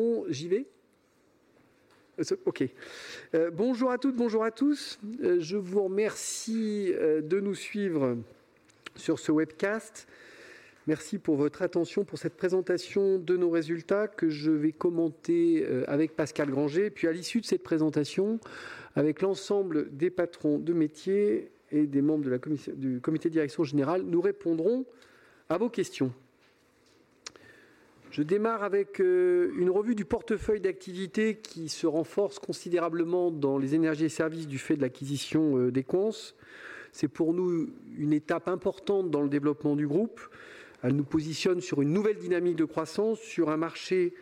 Bon, j'y vais? OK. Bonjour à toutes, bonjour à tous. Je vous remercie de nous suivre sur ce webcast. Merci pour votre attention pour cette présentation de nos résultats que je vais commenter avec Pascal Grangé. À l'issue de cette présentation, avec l'ensemble des patrons de métiers et des membres du comité de direction générale, nous répondrons à vos questions. Je démarre avec une revue du portefeuille d'activités qui se renforce considérablement dans les énergies et services du fait de l'acquisition d'Equans. C'est pour nous une étape importante dans le développement du groupe. Elle nous positionne sur une nouvelle dynamique de croissance sur un marché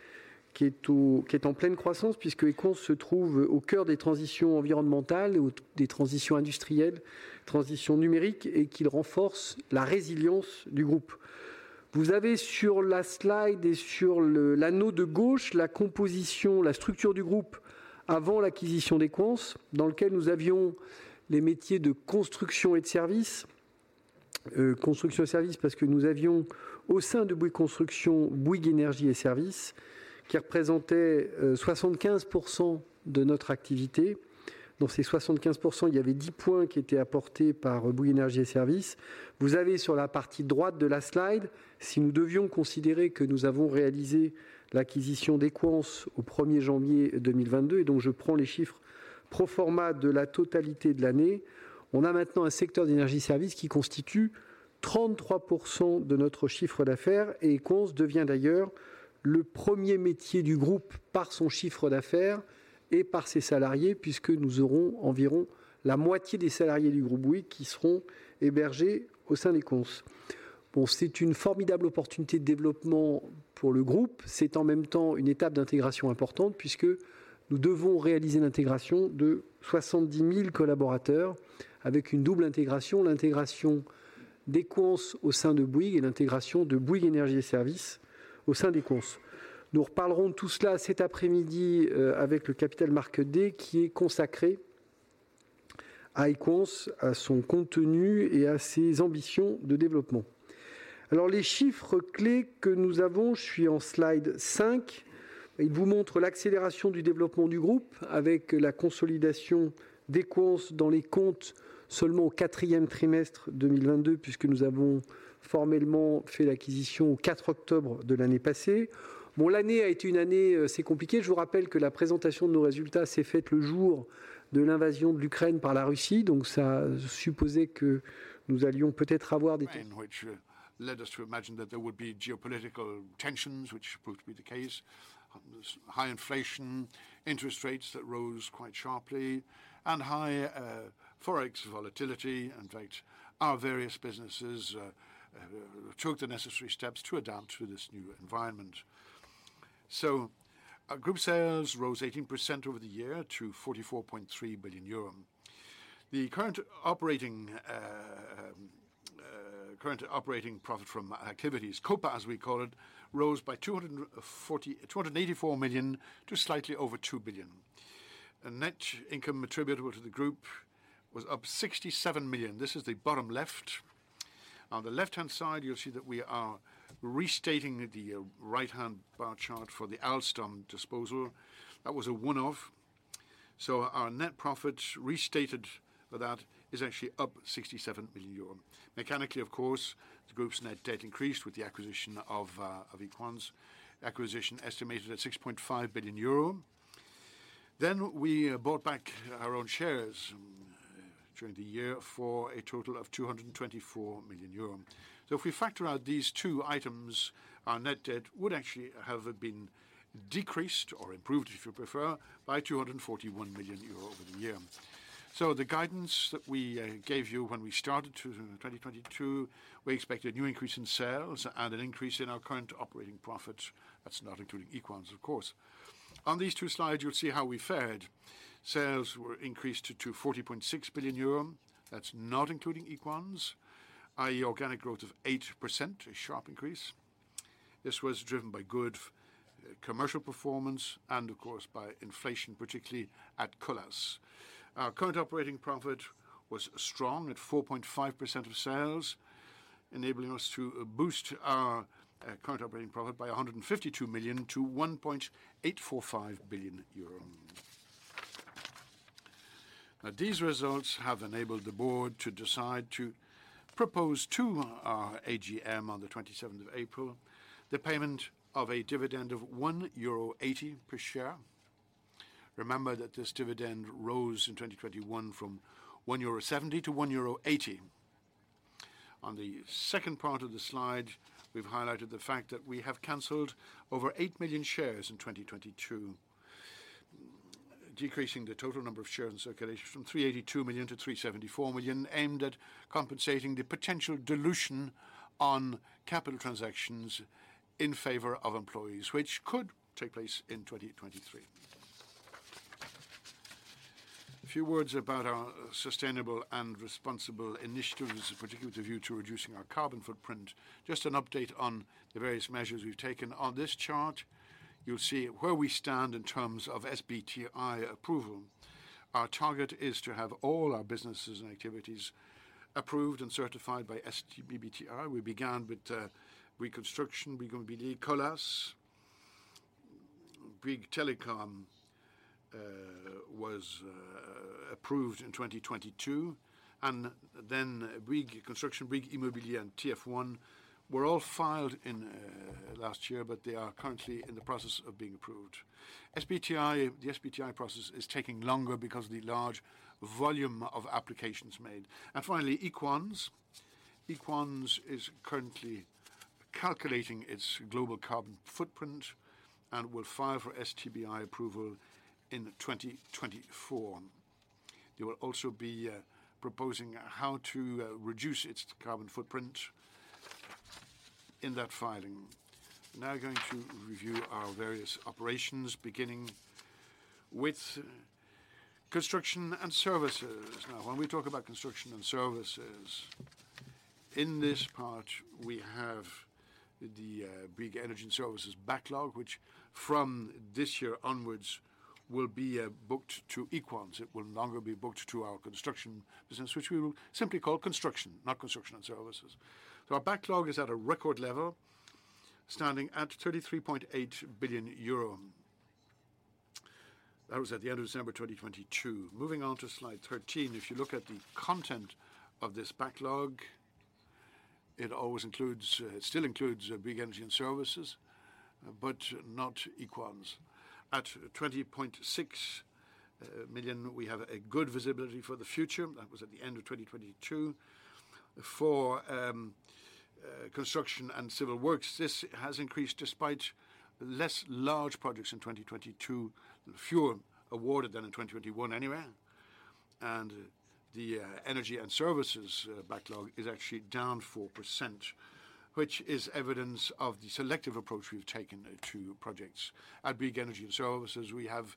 qui est en pleine croissance puisqu'Equans se trouve au cœur des transitions environnementales, des transitions industrielles, transitions numériques et qu'il renforce la résilience du groupe. Vous avez sur la slide et sur le, l'anneau de gauche, la composition, la structure du groupe avant l'acquisition d'Equans, dans lequel nous avions les métiers de construction et de services. Construction et services, parce que nous avions au sein de Bouygues Construction, Bouygues Energies & Services, qui représentaient, 75% de notre activité. Dans ces 75%, il y avait 10 points qui étaient apportés par Bouygues Energies & Services. Vous avez sur la partie droite de la slide, si nous devions considérer que nous avons réalisé l'acquisition d'Equans au 1st January 2022 et dont je prends les chiffres pro forma de la totalité de l'année, on a maintenant un secteur d'energy services qui constitue 33% de notre chiffre d'affaires et Equans devient d'ailleurs le premier métier du groupe par son chiffre d'affaires et par ses salariés, puisque nous aurons environ la moitié des salariés du groupe Bouygues qui seront hébergés au sein d'Equans. Bon, c'est une formidable opportunité de développement pour le groupe. C'est en même temps une étape d'intégration importante puisque nous devons réaliser l'intégration de 70,000 collaborateurs avec une double intégration, l'intégration d'Equans au sein de Bouygues et l'intégration de Bouygues Energies & Services au sein d'Equans. Nous reparlerons de tout cela cet après-midi avec le capital market day qui est consacré à Equans, à son contenu et à ses ambitions de développement. Les chiffres clés que nous avons, je suis en slide 5, ils vous montrent l'accélération du développement du groupe avec la consolidation d'Equans dans les comptes seulement au Q4 2022, puisque nous avons formellement fait l'acquisition au October 4 de l'année passée. L'année a été une année assez compliquée. Je vous rappelle que la présentation de nos résultats s'est faite le jour de l'invasion de l'Ukraine par la Russie. Ça supposait que nous allions peut-être avoir. Which led us to imagine that there would be geopolitical tensions, which proved to be the case. High inflation, interest rates that rose quite sharply and high forex volatility. In fact, our various businesses took the necessary steps to adapt to this new environment. Our group sales rose 18% over the year to 44.3 billion euro. The current operating profit from activities, COPA, as we call it, rose by 284 million to slightly over 2 billion. Net income attributable to the group was up 67 million. This is the bottom left. On the left-hand side, you'll see that we are restating the right-hand bar chart for the Alstom disposal. That was a one-off. Our net profit restated that is actually up 67 million euro. Mechanically, of course, the group's net debt increased with the acquisition of Equans. Acquisition estimated at 6.5 billion euro. We bought back our own shares during the year for a total of 224 million euro. If we factor out these two items, our net debt would actually have been decreased or improved, if you prefer, by 241 million euro over the year. The guidance that we gave you when we started 2022, we expected a new increase in sales and an increase in our current operating profit. That's not including Equans, of course. On these two slides, you'll see how we fared. Sales were increased to 40.6 billion euro. That's not including Equans, i.e. organic growth of 8%, a sharp increase. This was driven by good commercial performance and of course by inflation, particularly at Colas. Our current operating profit was strong at 4.5% of sales, enabling us to boost our current operating profit by 152 million to 1.845 billion euro. These results have enabled the board to decide to propose to our AGM on the 27th of April the payment of a dividend of 1.80 euro per share. Remember that this dividend rose in 2021 from 1.70 euro to 1.80 euro. On the second part of the slide, we've highlighted the fact that we have canceled over 8 million shares in 2022, decreasing the total number of shares in circulation from 382 million to 374 million, aimed at compensating the potential dilution on capital transactions in favor of employees which could take place in 2023. A few words about our sustainable and responsible initiatives, particularly with a view to reducing our carbon footprint. Just an update on the various measures we've taken. On this chart, you'll see where we stand in terms of SBTi approval. Our target is to have all our businesses and activities approved and certified by SBTi. We began with reconstruction, we're going to be Colas, Bouygues Telecom was approved in 2022. Bouygues Construction, Bouygues Immobilier, and TF1 were all filed in last year, but they are currently in the process of being approved. SBTi, the SBTi process is taking longer because of the large volume of applications made. Finally, Equans. Equans is currently calculating its global carbon footprint and will file for SBTi approval in 2024. They will also be proposing how to reduce its carbon footprint in that filing. I'm going to review our various operations, beginning with Construction and Services. When we talk about Construction and Services, in this part we have the Bouygues Energies & Services backlog, which from this year onwards will be booked to Equans. It will no longer be booked to our construction business, which we will simply call Construction, not Construction and Services. Our backlog is at a record level, standing at 33.8 billion euro. That was at the end of December 2022. Moving on to slide 13. If you look at the content of this backlog, it still includes Bouygues Energies & Services, but not Equans. At 20.6 million, we have a good visibility for the future. That was at the end of 2022. For construction and civil works, this has increased despite less large projects in 2022 and fewer awarded than in 2021 anywhere. The Energies & Services backlog is actually down 4%, which is evidence of the selective approach we've taken to projects. At Bouygues Energies & Services, we have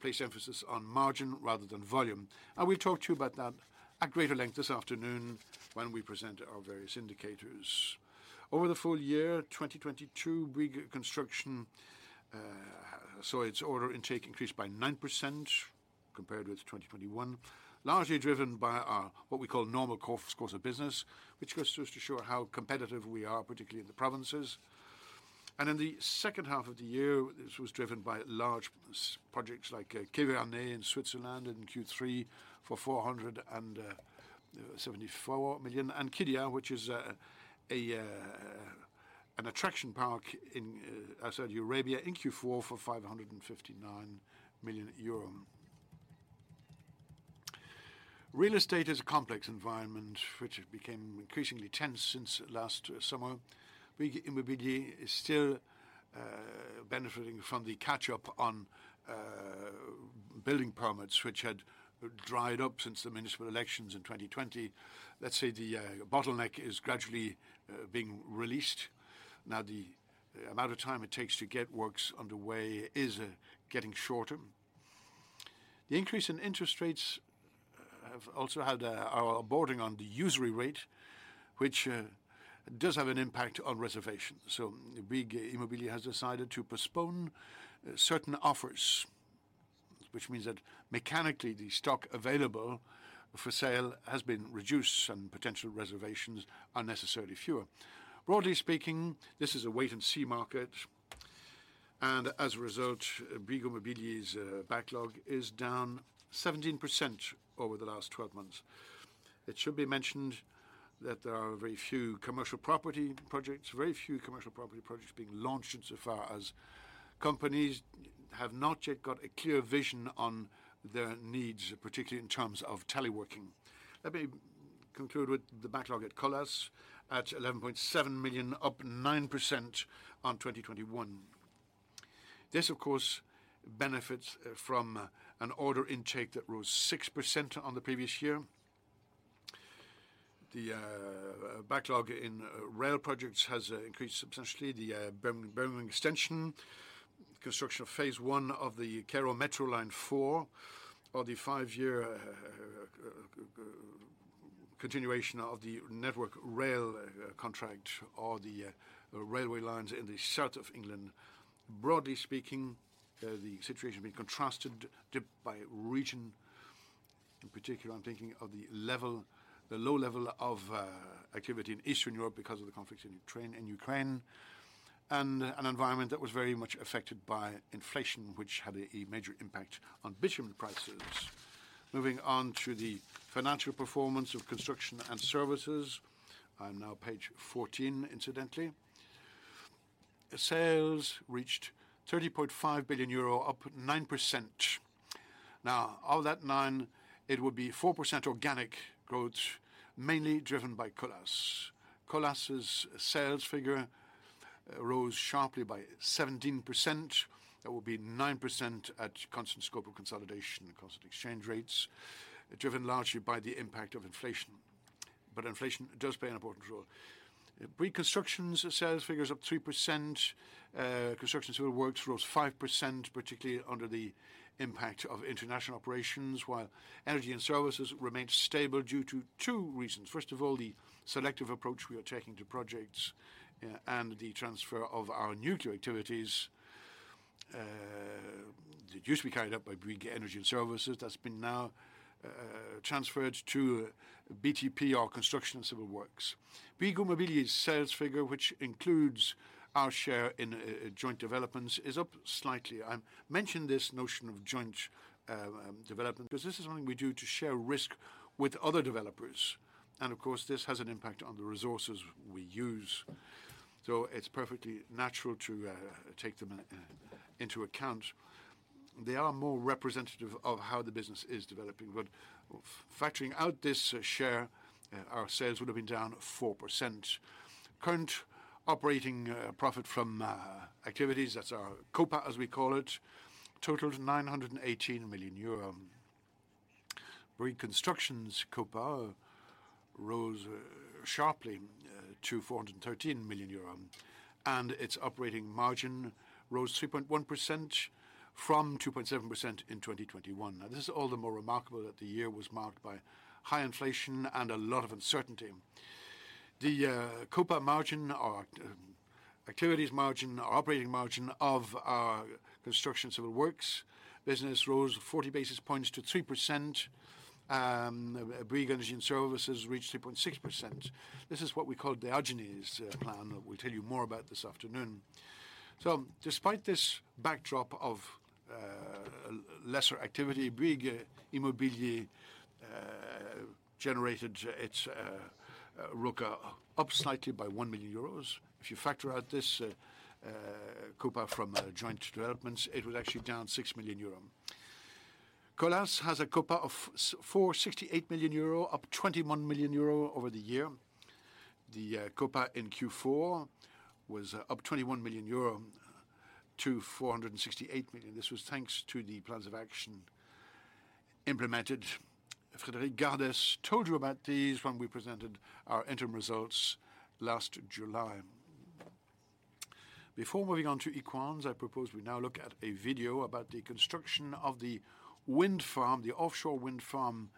placed emphasis on margin rather than volume. We'll talk to you about that at greater length this afternoon when we present our various indicators. Over the full-year 2022, Bouygues Construction saw its order intake increase by 9% compared with 2021, largely driven by our, what we call normal course of business, which goes to show how competitive we are, particularly in the provinces. In the second half of the year, this was driven by large projects like Quai Vernets in Switzerland in Q3 for 474 million, and Qiddiya, which is an attraction park in Saudi Arabia in Q4 for 559 million euro. Real estate is a complex environment which became increasingly tense since last summer. Bouygues Immobilier is still benefiting from the catch-up on building permits which had dried up since the municipal elections in 2020. The bottleneck is gradually being released. The amount of time it takes to get works underway is getting shorter. The increase in interest rates are boarding on the usury rate, which does have an impact on reservations. Bouygues Immobilier has decided to postpone certain offers, which means that mechanically the stock available for sale has been reduced and potential reservations are necessarily fewer. Broadly speaking, this is a wait and see market and as a result, Bouygues Immobilier's backlog is down 17% over the last 12 months. It should be mentioned that there are very few commercial property projects, very few commercial property projects being launched insofar as companies have not yet got a clear vision on their needs, particularly in terms of teleworking. Let me conclude with the backlog at Colas at 11.7 million, up 9% on 2021. This of course benefits from an order intake that rose 6% on the previous year. The backlog in rail projects has increased substantially. The Birmingham extension, construction of Phase 1 of the Cairo Metro Line 4, or the five-year continuation of the Network Rail contract, or the railway lines in the south of England. Broadly speaking, the situation has been contrasted by region. In particular, I'm thinking of the level, the low level of activity in Eastern Europe because of the conflict in Ukraine, and an environment that was very much affected by inflation, which had a major impact on bitumen prices. Moving on to the financial performance of Construction and Services. I'm now page 14, incidentally. Sales reached 30.5 billion euro, up 9%. Of that 9, it would be 4% organic growth, mainly driven by Colas. Colas' sales figure rose sharply by 17%. That would be 9% at constant scope of consolidation and constant exchange rates, driven largely by the impact of inflation. Inflation does play an important role. Bouygues Construction's sales figures up 3%. Construction civil works rose 5%, particularly under the impact of international operations. While Energy & Services remained stable due to two reasons. First of all, the selective approach we are taking to projects, and the transfer of our nuclear activities, It used to be carried out by Bouygues Energies & Services. That's been now, transferred to BTP or Construction and Civil Works. Bouygues Immobilier sales figure, which includes our share in joint developments, is up slightly. I mentioned this notion of joint development because this is something we do to share risk with other developers. Of course, this has an impact on the resources we use. It's perfectly natural to take them into account. They are more representative of how the business is developing. Factoring out this share, our sales would have been down 4%. Current operating profit from activities, that's our COPA, as we call it, totaled 918 million euro. Bouygues Construction's COPA rose sharply to 413 million euro, and its operating margin rose 3.1% from 2.7% in 2021. This is all the more remarkable that the year was marked by high inflation and a lot of uncertainty. The COPA margin or activities margin or operating margin of our Construction & Civil Works business rose 40 basis points to 3%. Bouygues Energies & Services reached 3.6%. This is what we call Diogenes plan that we'll tell you more about this afternoon. Despite this backdrop of lesser activity, Bouygues Immobilier generated its ROCA up slightly by 1 million euros. If you factor out this COPA from joint developments, it was actually down 6 million euros. Colas has a COPA of 468 million euros, up 21 million euros over the year. The COPA in Q4 was up 21 million euros to 468 million. This was thanks to the plans of action implemented. Frédéric Gardès told you about these when we presented our interim results last July. Before moving on to Equans, I propose we now look at a video about the construction of the wind farm, the offshore wind farm,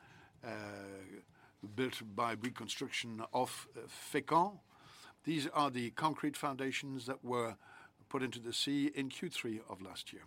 built by Bouygues Construction of Fécamp. These are the concrete foundations that were put into the sea in Q3 of last year.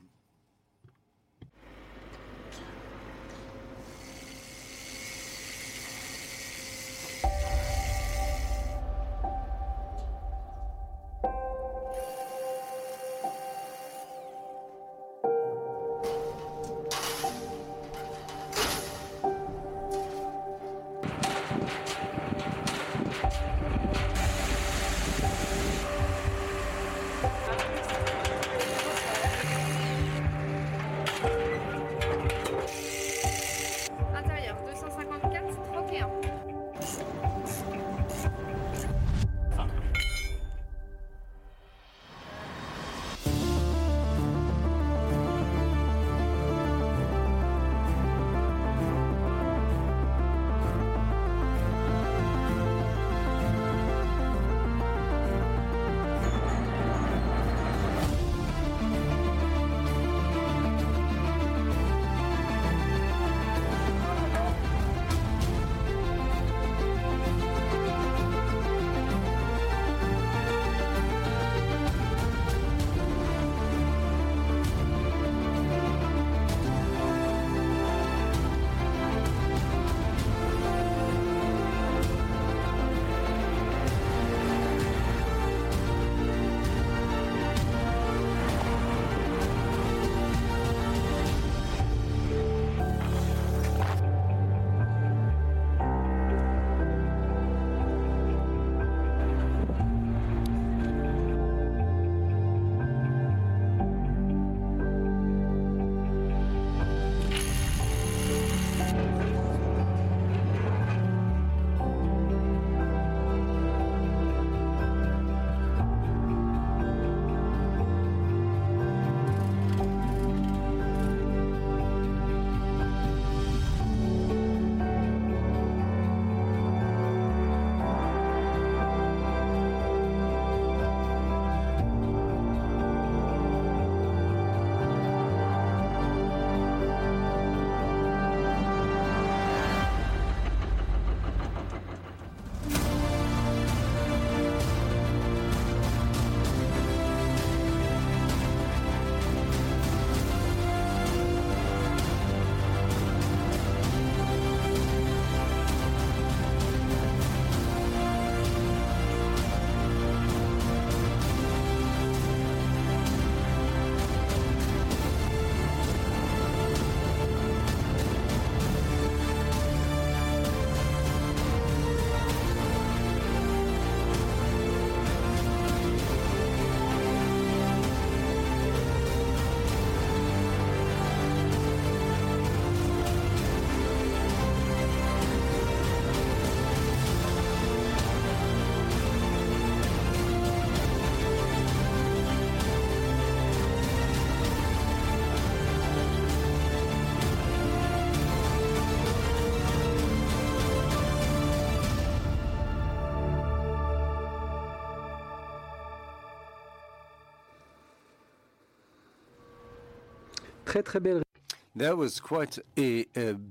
That was quite a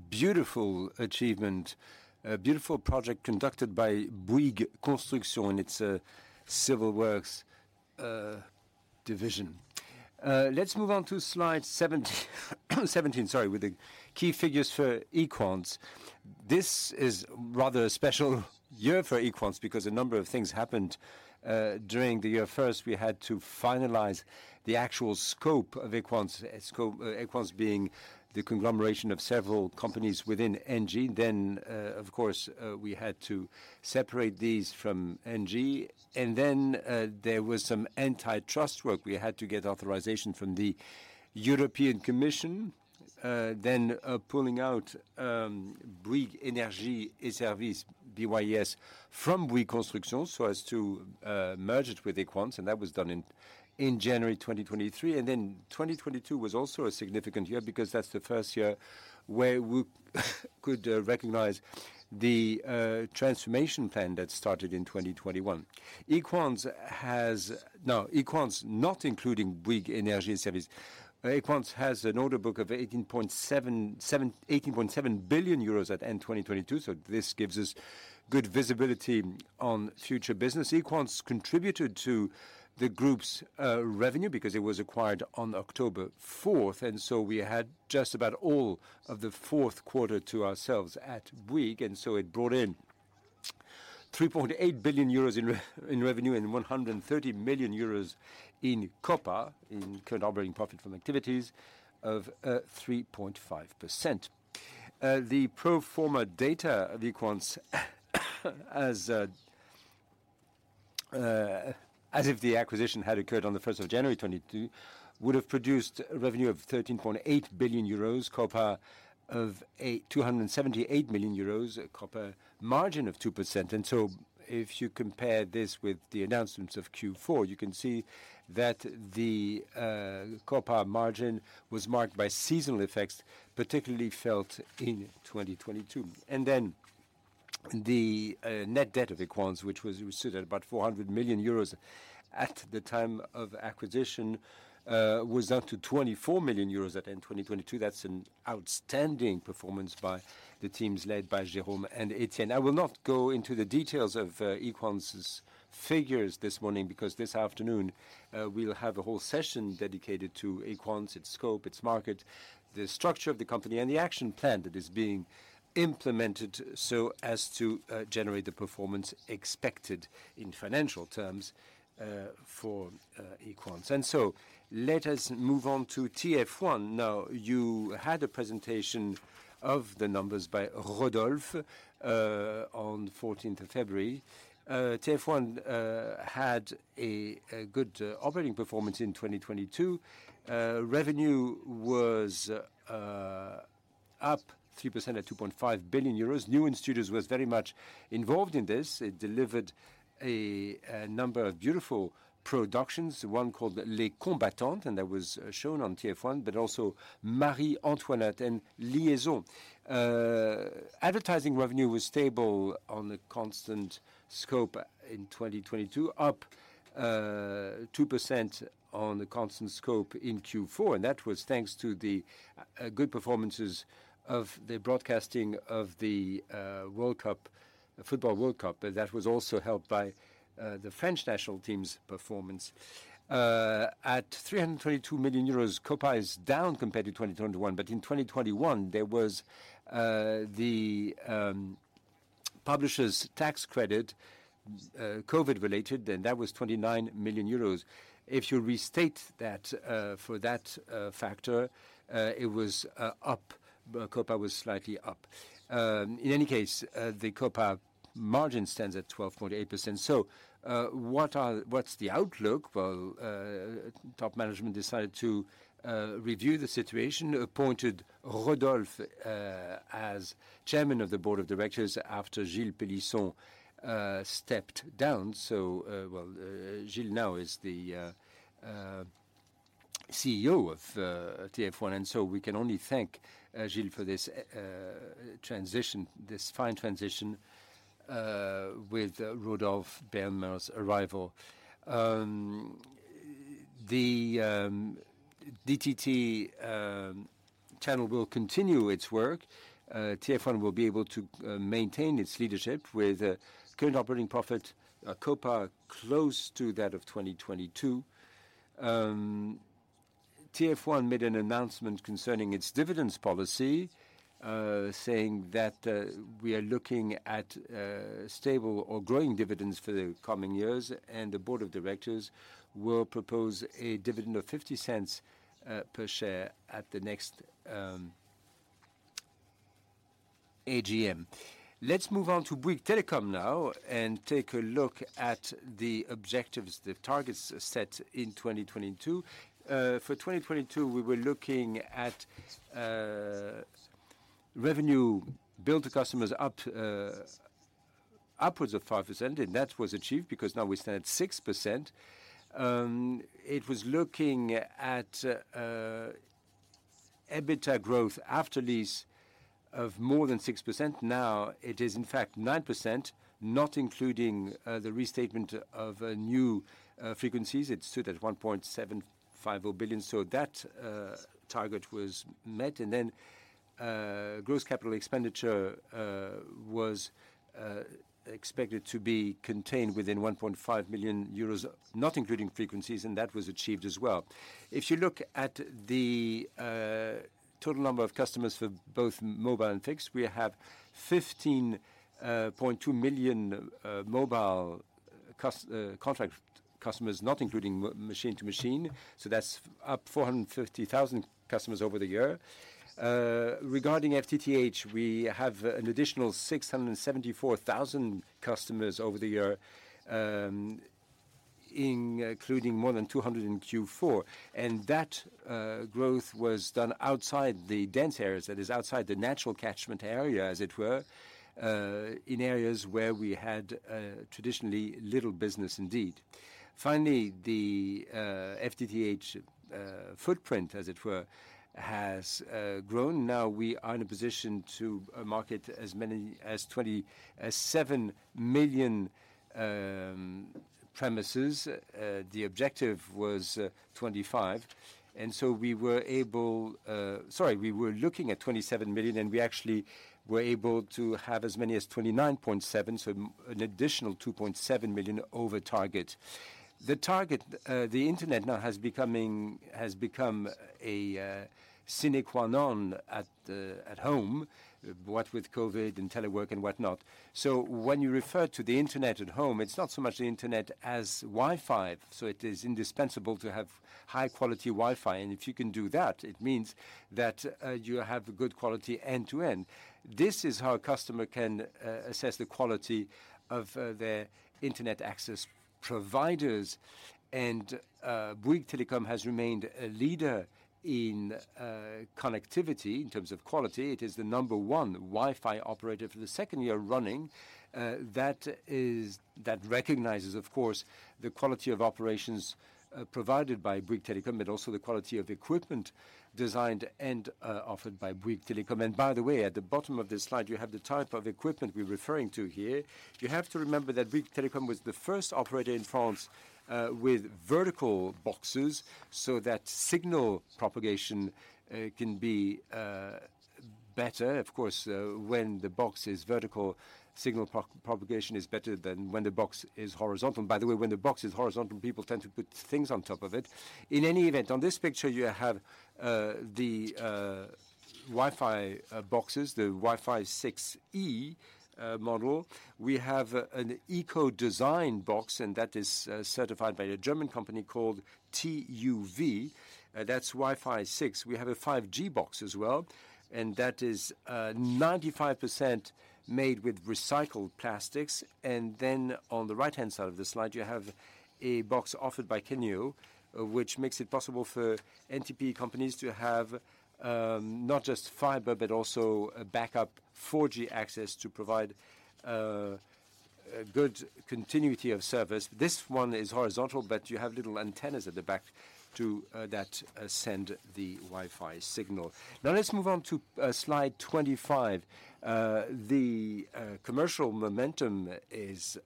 beautiful achievement, a beautiful project conducted by Bouygues Construction, its civil works division. Let's move on to slide 17 with the key figures for Equans. This is rather a special year for Equans because a number of things happened during the year. First, we had to finalize the actual scope of Equans being the conglomeration of several companies within Engie. Of course, we had to separate these from Engie. There was some antitrust work. We had to get authorization from the European Commission. Pulling out Bouygues Energies & Services, BYS, from Bouygues Construction so as to merge it with Equans, and that was done in January 2023. 2022 was also a significant year because that's the first year where we could recognize the transformation plan that started in 2021. Now, Equans, not including Bouygues Energies & Services, Equans has an order book of 18.7 billion euros at end 2022. This gives us good visibility on future business. Equans contributed to the group's revenue because it was acquired on October 4th. We had just about all of the fourth quarter to ourselves at Bouygues. It brought in 3.8 billion euros in revenue and 130 million euros in COPA, in current operating profit from activities, of 3.5%. The pro forma data of Equans as if the acquisition had occurred on the 1st of January 2022, would have produced a revenue of 13.8 billion euros, COPA of 278 million euros, a COPA margin of 2%. If you compare this with the announcements of Q4, you can see that the COPA margin was marked by seasonal effects, particularly felt in 2022. The net debt of Equans, which was, it was sit at about 400 million euros at the time of acquisition, was down to 24 million euros at end 2022. That's an outstanding performance by the teams led by Jérôme and Etienne. I will not go into the details of Equans' figures this morning because this afternoon, we'll have a whole session dedicated to Equans, its scope, its market, the structure of the company, and the action plan that is being implemented so as to generate the performance expected in financial terms for Equans. Let us move on to TF1. Now, you had a presentation of the numbers by Rodolphe on 14th of February. TF1 had a good operating performance in 2022. Revenue was up 3% at 2.5 billion euros. Newen Studios was very much involved in this. It delivered a number of beautiful productions, one called "Les Combattantes," that was shown on TF1, also "Marie-Antoinette" and "Liaison." Advertising revenue was stable on a constant scope in 2022, up 2% on the constant scope in Q4, that was thanks to the good performances of the broadcasting of the World Cup, football World Cup. That was also helped by the French national team's performance. At 322 million euros, COPA is down compared to 2021, in 2021, there was the publisher's tax credit, COVID-related, that was 29 million euros. If you restate that for that factor, it was up. COPA was slightly up. In any case, the COPA margin stands at 12.8%. What's the outlook? Top management decided to review the situation, appointed Rodolphe as chairman of the board of directors after Gilles Pélisson stepped down. Gilles now is the CEO of TF1, we can only thank Gilles for this transition, this fine transition with Rodolphe Belmer's arrival. The DTT channel will continue its work. TF1 will be able to maintain its leadership with a current operating profit, COPA close to that of 2022. TF1 made an announcement concerning its dividends policy, saying that we are looking at stable or growing dividends for the coming years, the board of directors will propose a dividend of 0.50 per share at the next AGM. Let's move on to Bouygues Telecom now and take a look at the objectives, the targets set in 2022. For 2022, we were looking at revenue bill to customers up upwards of 5%, and that was achieved because now we stand at 6%. It was looking at EBITDA growth after lease of more than 6%. Now it is in fact 9%, not including the restatement of new frequencies. It stood at 1.750 billion. That target was met. Gross capital expenditure was expected to be contained within 1.5 million euros, not including frequencies, and that was achieved as well. If you look at the total number of customers for both mobile and fixed, we have 15.2 million mobile contract customers, not including machine to machine, that's up 450,000 customers over the year. Regarding FTTH, we have an additional 674,000 customers over the year, including more than 200 in Q4. That growth was done outside the dense areas, that is outside the natural catchment area, as it were, in areas where we had traditionally little business indeed. Finally, the FTTH footprint, as it were, has grown. Now we are in a position to market as many as 27 million premises. The objective was 27 million, and we actually were able to have as many as 29.7 million, so an additional 2.7 million over target. The target, the internet now has become a sine qua non at home, what with COVID and telework and whatnot. When you refer to the internet at home, it's not so much the internet as Wi-Fi. It is indispensable to have high-quality Wi-Fi, and if you can do that, it means that you have good quality end-to-end. This is how a customer can assess the quality of their internet access providers. Bouygues Telecom has remained a leader in connectivity in terms of quality. It is the number one Wi-Fi operator for the second year running. That recognizes, of course, the quality of operations provided by Bouygues Telecom, but also the quality of equipment designed and offered by Bouygues Telecom. By the way, at the bottom of this slide, you have the type of equipment we're referring to here. You have to remember that Bouygues Telecom was the first operator in France with vertical boxes so that signal propagation can be better. Of course, when the box is vertical, signal propagation is better than when the box is horizontal. When the box is horizontal, people tend to put things on top of it. In any event, on this picture you have the Wi-Fi boxes, the Wi-Fi 6E model. We have an eco design box, and that is certified by a German company called TÜV. That's Wi-Fi 6. We have a 5G box as well, and that is 95% made with recycled plastics. On the right-hand side of the slide, you have a box offered by Keyyo, which makes it possible for NTP companies to have not just fiber, but also a backup 4G access to provide a good continuity of service. This one is horizontal, but you have little antennas at the back to that send the Wi-Fi signal. Let's move on to slide 25. The commercial momentum is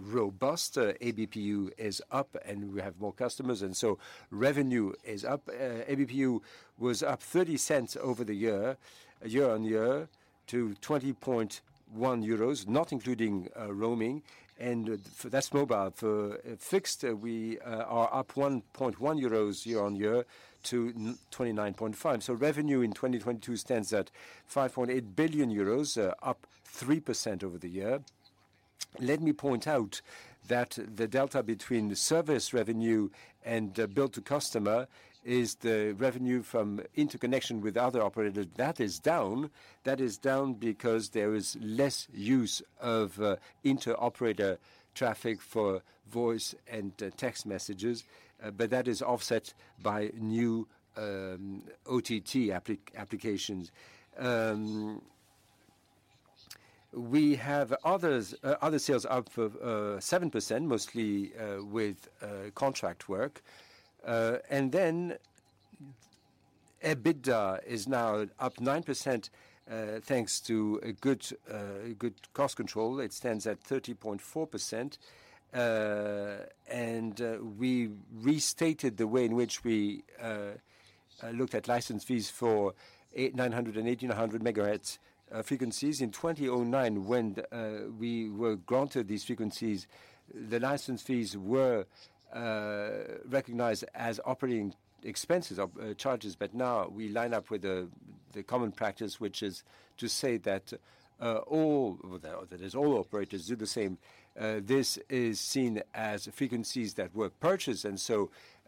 robust. ABPU is up and we have more customers so revenue is up. ABPU was up 0.30 over the year-on-year, to 20.1 euros, not including roaming, and that's mobile. For fixed, we are up 1.1 euros year-on-year to 29.5. Revenue in 2022 stands at 5.8 billion euros, up 3% over the year. Let me point out that the delta between service revenue and bill-to-customer is the revenue from interconnection with other operators. That is down. That is down because there is less use of inter-operator traffic for voice and text messages, but that is offset by new OTT applications. We have others, other sales up for 7%, mostly with contract work. EBITDA is now up 9%, thanks to a good cost control. It stands at 30.4%. We restated the way in which we looked at license fees for 900 MHz and 1,800 MHz frequencies. In 2009 when we were granted these frequencies, the license fees were recognized as operating expenses of charges. Now we line up with the common practice, which is to say that all, that is all operators do the same. This is seen as frequencies that were purchased,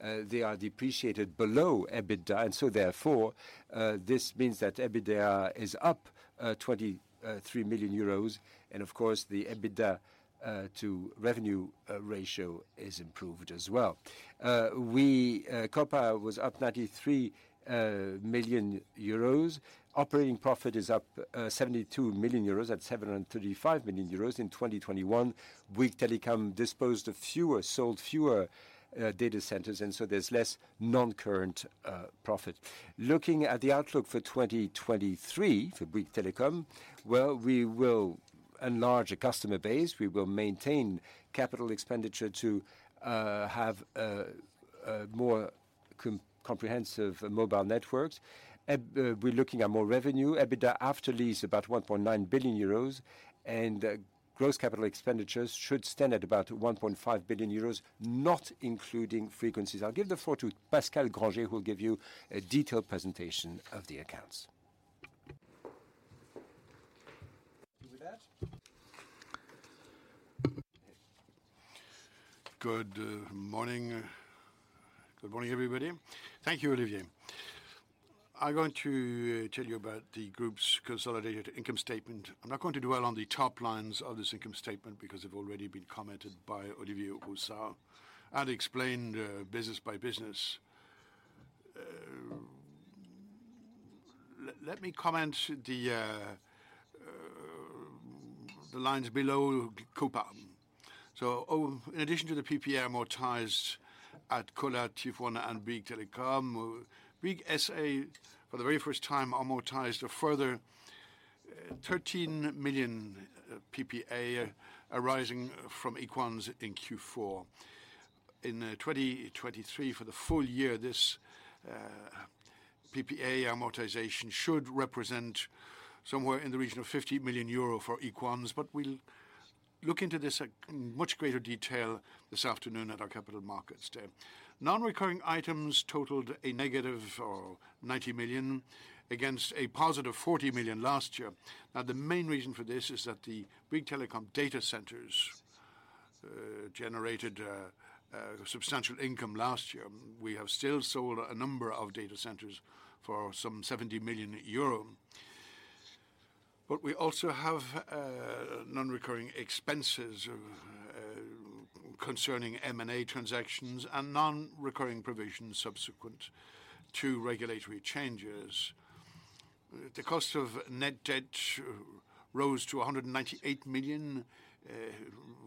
they are depreciated below EBITDA. Therefore, this means that EBITDA is up 23 million euros, and of course the EBITDA to revenue- ratio is improved as well. We COPA was up 93 million euros. Operating profit is up 72 million euros at 735 million euros. In 2021, Bouygues Telecom disposed of fewer, sold fewer data centers, there's less non-current profit. Looking at the outlook for 2023 for Bouygues Telecom, well, we will enlarge the customer base. We will maintain capital expenditure to have a more comprehensive mobile networks. We're looking at more revenue. EBITDA after lease about 1.9 billion euros. Gross capital expenditures should stand at about 1.5 billion euros, not including frequencies. I'll give the floor to Pascal Grangé who will give you a detailed presentation of the accounts. With that. Good morning, everybody. Thank you, Olivier. I'm going to tell you about the group's consolidated income statement. I'm not going to dwell on the top lines of this income statement because they've already been commented by Olivier Roussat and explained business by business. Let me comment the lines below COPA. In addition to the PPA amortized at Colas, TF1 and Bouygues Telecom, Bouygues SA, for the very first time, amortized a further 13 million PPA arising from Equans in Q4. In 2023 for the full year, this PPA amortization should represent somewhere in the region of 50 million euro for Equans. We'll look into this in much greater detail this afternoon at our capital markets day. Non-recurring items totaled a negative of 90 million against a positive 40 million last year. The main reason for this is that the Bouygues Telecom data centers generated substantial income last year. We have still sold a number of data centers for some 70 million euro. We also have non-recurring expenses concerning M&A transactions and non-recurring provisions subsequent to regulatory changes. The cost of net debt rose to 198 million,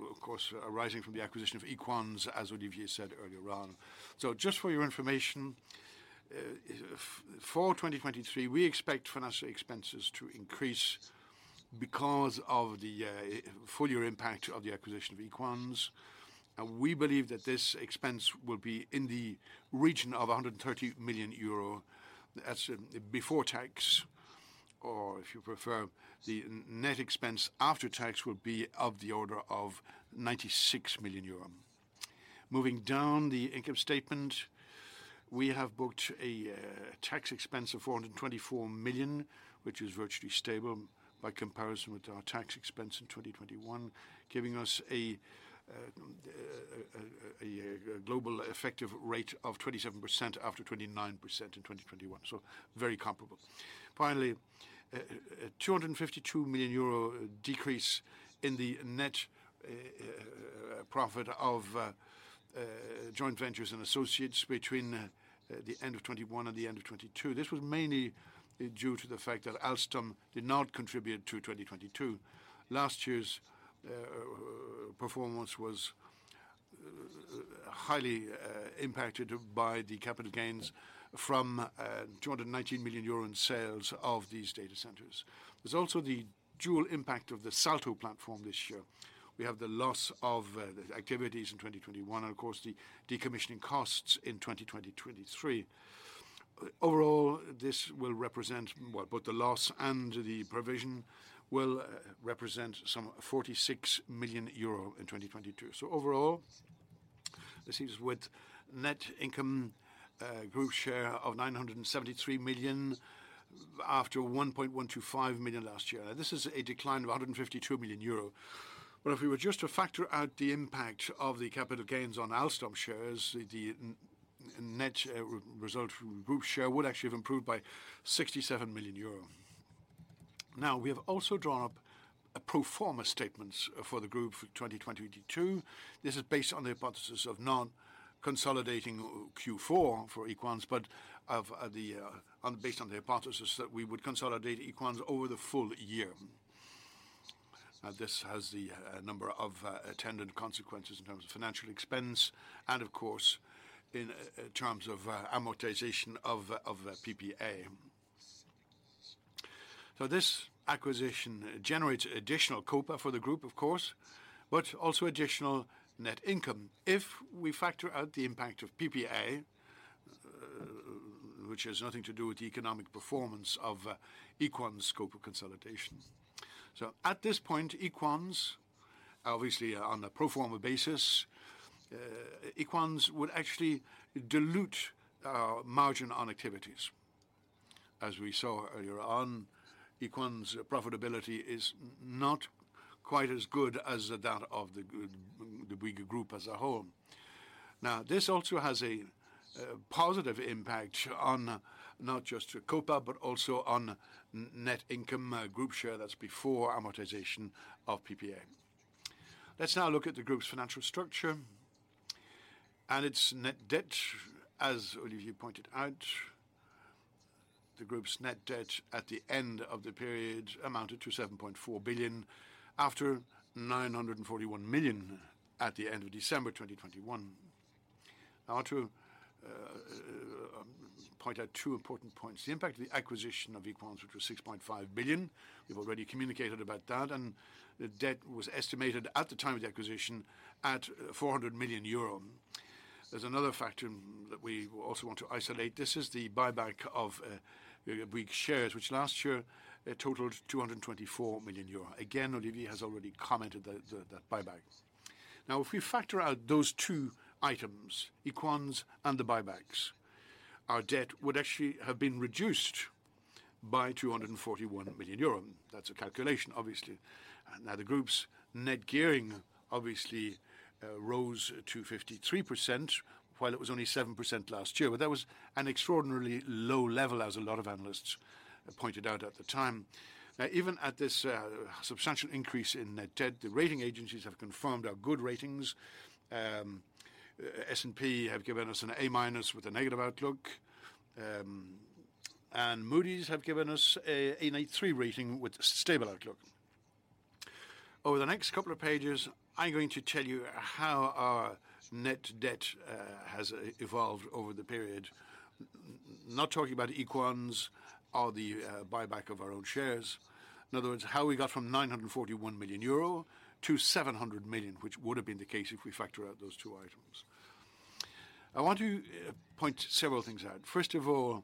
of course, arising from the acquisition of Equans, as Olivier said earlier on. Just for your information, for 2023, we expect financial expenses to increase because of the full-year impact of the acquisition of Equans. We believe that this expense will be in the region of 130 million euro. That's before tax, or if you prefer, the net expense after tax will be of the order of 96 million euro. Moving down the income statement, we have booked a tax expense of 424 million, which is virtually stable by comparison with our tax expense in 2021, giving us a global effective rate of 27% after 29% in 2021. Very comparable. Finally, a 252 million euro decrease in the net profit of joint ventures and associates between the end of 2021 and the end of 2022. This was mainly due to the fact that Alstom did not contribute to 2022. Last year's performance was highly impacted by the capital gains from 219 million euro in sales of these data centers. There's also the dual impact of the Salto platform this year. We have the loss of the activities in 2021 and of course, the decommissioning costs in 2023. Overall, this will represent both the loss and the provision will represent some 46 million euro in 2022. Overall, this leaves with net income, group share of 973 million after 1.125 million last year. This is a decline of 152 million euro. If we were just to factor out the impact of the capital gains on Alstom shares, the net result group share would actually have improved by 67 million euro. We have also drawn up a pro forma statements for the group for 2022. This is based on the hypothesis of non-consolidating Q4 for Equans, but of the based on the hypothesis that we would consolidate Equans over the full year. This has the number of attendant consequences in terms of financial expense and of course, in terms of amortization of PPA. So this acquisition generates additional COPA for the group, of course, but also additional net income. If we factor out the impact of PPA, which has nothing to do with the economic performance of Equans' scope of consolidation. So at this point, Equans, obviously on a pro forma basis, Equans would actually dilute margin on activities. As we saw earlier on, Equans' profitability is not quite as good as that of the Bouygues Group as a whole. This also has a positive impact on not just to COPA, but also on net income group share. That's before amortization of PPA. Let's now look at the group's financial structure and its net debt. As Olivier pointed out, the group's net debt at the end of the period amounted to 7.4 billion, after 941 million at the end of December 2021. I want to point out two important points. The impact of the acquisition of Equans, which was 6.5 billion. We've already communicated about that, and the debt was estimated at the time of the acquisition at 400 million euro. There's another factor that we also want to isolate. This is the buyback of Bouygues shares, which last year totaled 224 million euro. Olivier has already commented that buyback. If we factor out those two items, Equans and the buybacks, our debt would actually have been reduced by 241 million euros. That's a calculation, obviously. The group's net gearing obviously rose to 53%, while it was only 7% last year. That was an extraordinarily low level, as a lot of analysts pointed out at the time. Even at this substantial increase in net debt, the rating agencies have confirmed our good ratings. S&P have given us an A- with a negative outlook. Moody's have given us an A3 rating with a stable outlook. Over the next couple of pages, I'm going to tell you how our net debt has evolved over the period. Not talking about Equans or the buyback of our own shares. In other words, how we got from 941 million euro to 700 million, which would have been the case if we factor out those two items. I want to point several things out. First of all,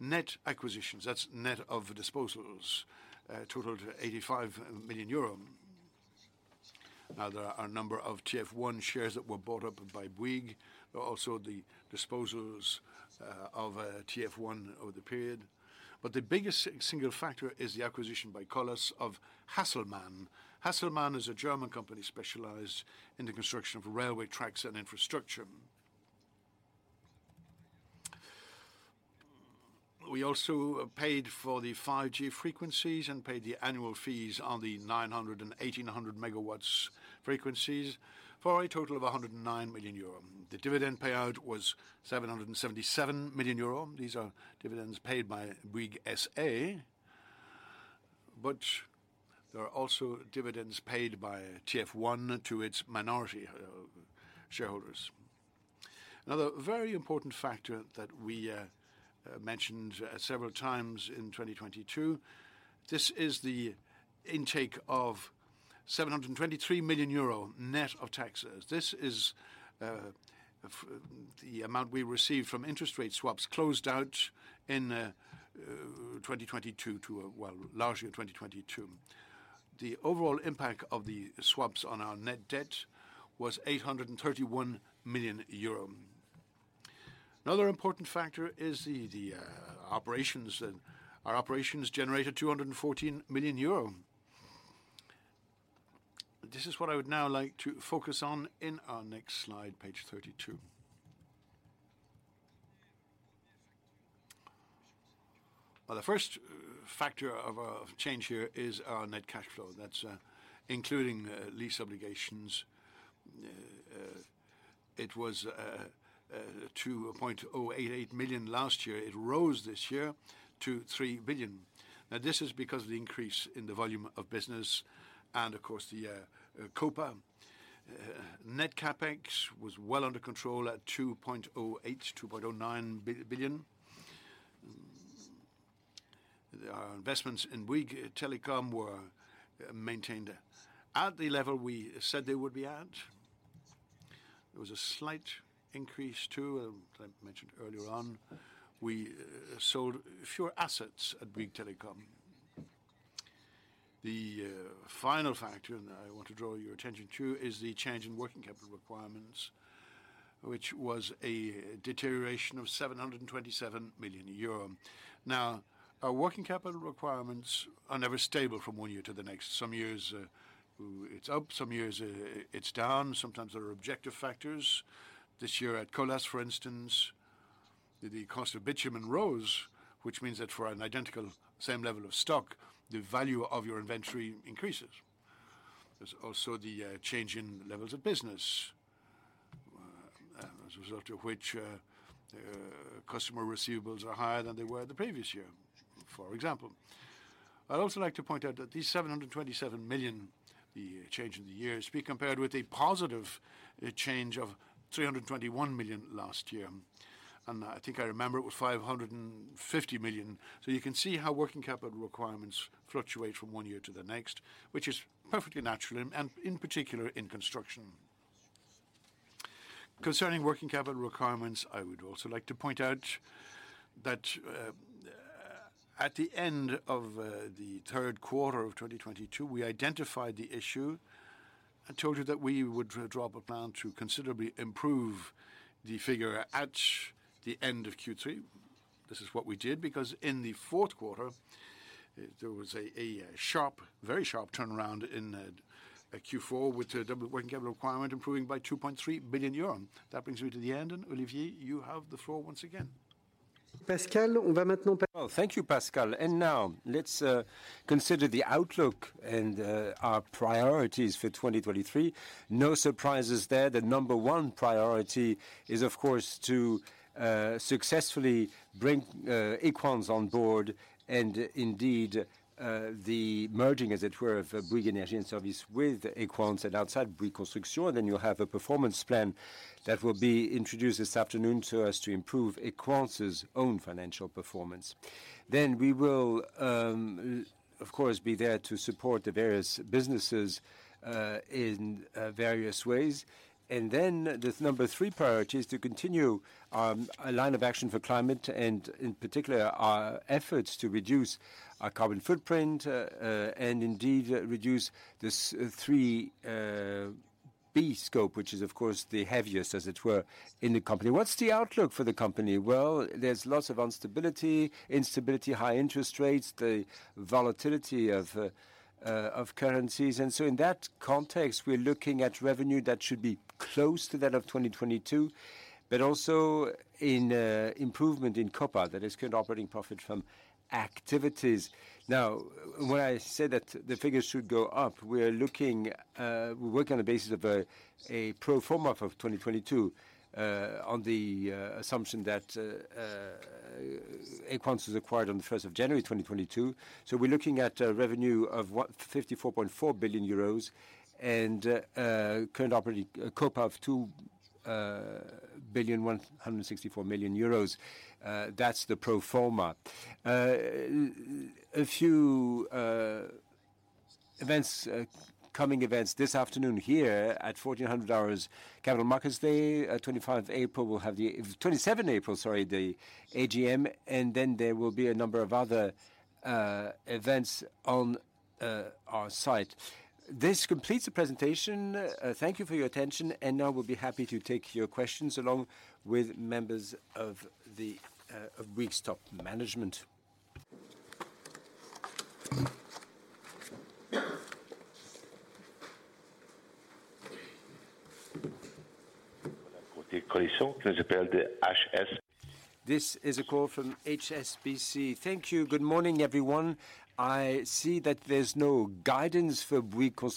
net acquisitions, that's net of disposals, totaled 85 million euro. Now, there are a number of TF1 shares that were bought up by Bouygues, but also the disposals of TF1 over the period. The biggest single factor is the acquisition by Colas of Hasselmann. Hasselmann is a German company specialized in the construction of railway tracks and infrastructure. We also paid for the 5G frequencies and paid the annual fees on the 900 MHz and 1,800 MHz frequencies for a total of 109 million euro. The dividend payout was 777 million euro. These are dividends paid by Bouygues SA. There are also dividends paid by TF1 to its minority shareholders. Another very important factor that we mentioned several times in 2022, this is the intake of 723 million euro net of taxes. This is the amount we received from interest rate swaps closed out in 2022 to, well, largely in 2022. The overall impact of the swaps on our net debt was 831 million euro. Another important factor is the operations. Our operations generated 214 million euro. This is what I would now like to focus on in our next slide, page 32. The first factor of our change here is our net cash flow. That's including lease obligations. It was 2.088 million last year. It rose this year to 3 billion. This is because of the increase in the volume of business and of course the COPA. Net CapEx was well under control at 2.08 billion-2.09 billion. Our investments in Bouygues Telecom were maintained at the level we said they would be at. There was a slight increase, too, as I mentioned earlier on. We sold fewer assets at Bouygues Telecom. The final factor that I want to draw your attention to is the change in working capital requirements, which was a deterioration of 727 million euro. Our working capital requirements are never stable from one year to the next. Some years, it's up, some years it's down. Sometimes there are objective factors. This year at Colas, for instance, the cost of bitumen rose, which means that for an identical same level of stock, the value of your inventory increases. There's also the change in levels of business, as a result of which, customer receivables are higher than they were the previous year, for example. I'd also like to point out that these 727 million, the change in the years, be compared with a positive change of 321 million last year. I think I remember it was 550 million. You can see how working capital requirements fluctuate from one year to the next, which is perfectly natural and in particular in construction. Concerning working capital requirements, I would also like to point out that at the end of the third quarter of 2022, we identified the issue and told you that we would draw up a plan to considerably improve the figure at the end of Q3. This is what we did because in the fourth quarter, there was a sharp, very sharp turnaround in Q4 with the working capital requirement improving by 2.3 billion euro. That brings me to the end. Olivier, you have the floor once again. Pascal. Thank you, Pascal. Now let's consider the outlook and our priorities for 2023. No surprises there. The number one priority is, of course, to successfully bring Equans on board and indeed, the merging, as it were, of Bouygues Energies et Services with Equans. Outside Bouygues Construction, you have a performance plan that will be introduced this afternoon to us to improve Equans' own financial performance. We will, of course, be there to support the various businesses in various ways. The number three priority is to continue our line of action for climate and in particular our efforts to reduce our carbon footprint and indeed reduce this three B scope, which is of course the heaviest, as it were, in the company. What's the outlook for the company? Well, there's lots of instability, high interest rates, the volatility of currencies. In that context, we're looking at revenue that should be close to that of 2022, but also an improvement in COPA. That is current operating profit from activities. When I say that the figures should go up, we are looking, we work on the basis of a pro forma of 2022, on the assumption that Equans was acquired on the first of January 2022. We're looking at a revenue of what, 54.4 billion euros and current operating COPA of 2.164 billion. That's the pro forma. A few events, coming events this afternoon here at 2:00 P.M., Capital Markets Day. At 27th April we will have the AGM. There will be a number of other events on our site. This completes the presentation. Thank you for your attention. We'll be happy to take your questions along with members of the Bouygues top management. This is a call from HSBC. Thank you. Good morning, everyone. I see that there's no guidance for Bouygues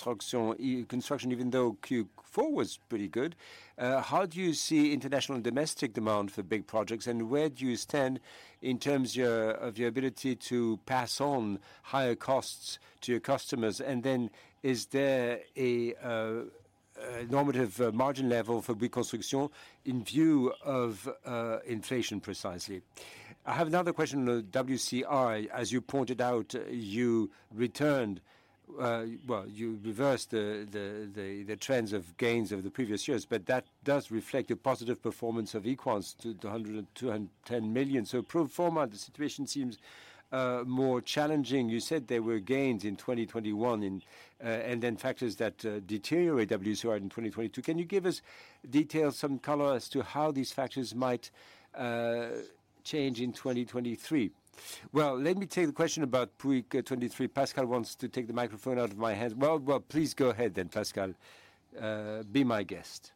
Construction, even though Q4 was pretty good. How do you see international and domestic demand for big projects? Where do you stand in terms of your ability to pass on higher costs to your customers? Is there a normative margin level for Bouygues Construction in view of inflation precisely? I have another question on WCI. As you pointed out, you returned, well, you reversed the trends of gains over the previous years, but that does reflect a positive performance of Equans to 210 million. Pro forma, the situation seems more challenging. You said there were gains in 2021 and then factors that deteriorate WCI in 2022. Can you give us details, some color as to how these factors might change in 2023? Well, let me take the question about Bouygues 2023. Pascal wants to take the microphone out of my hand. Well, please go ahead then, Pascal. Be my guest.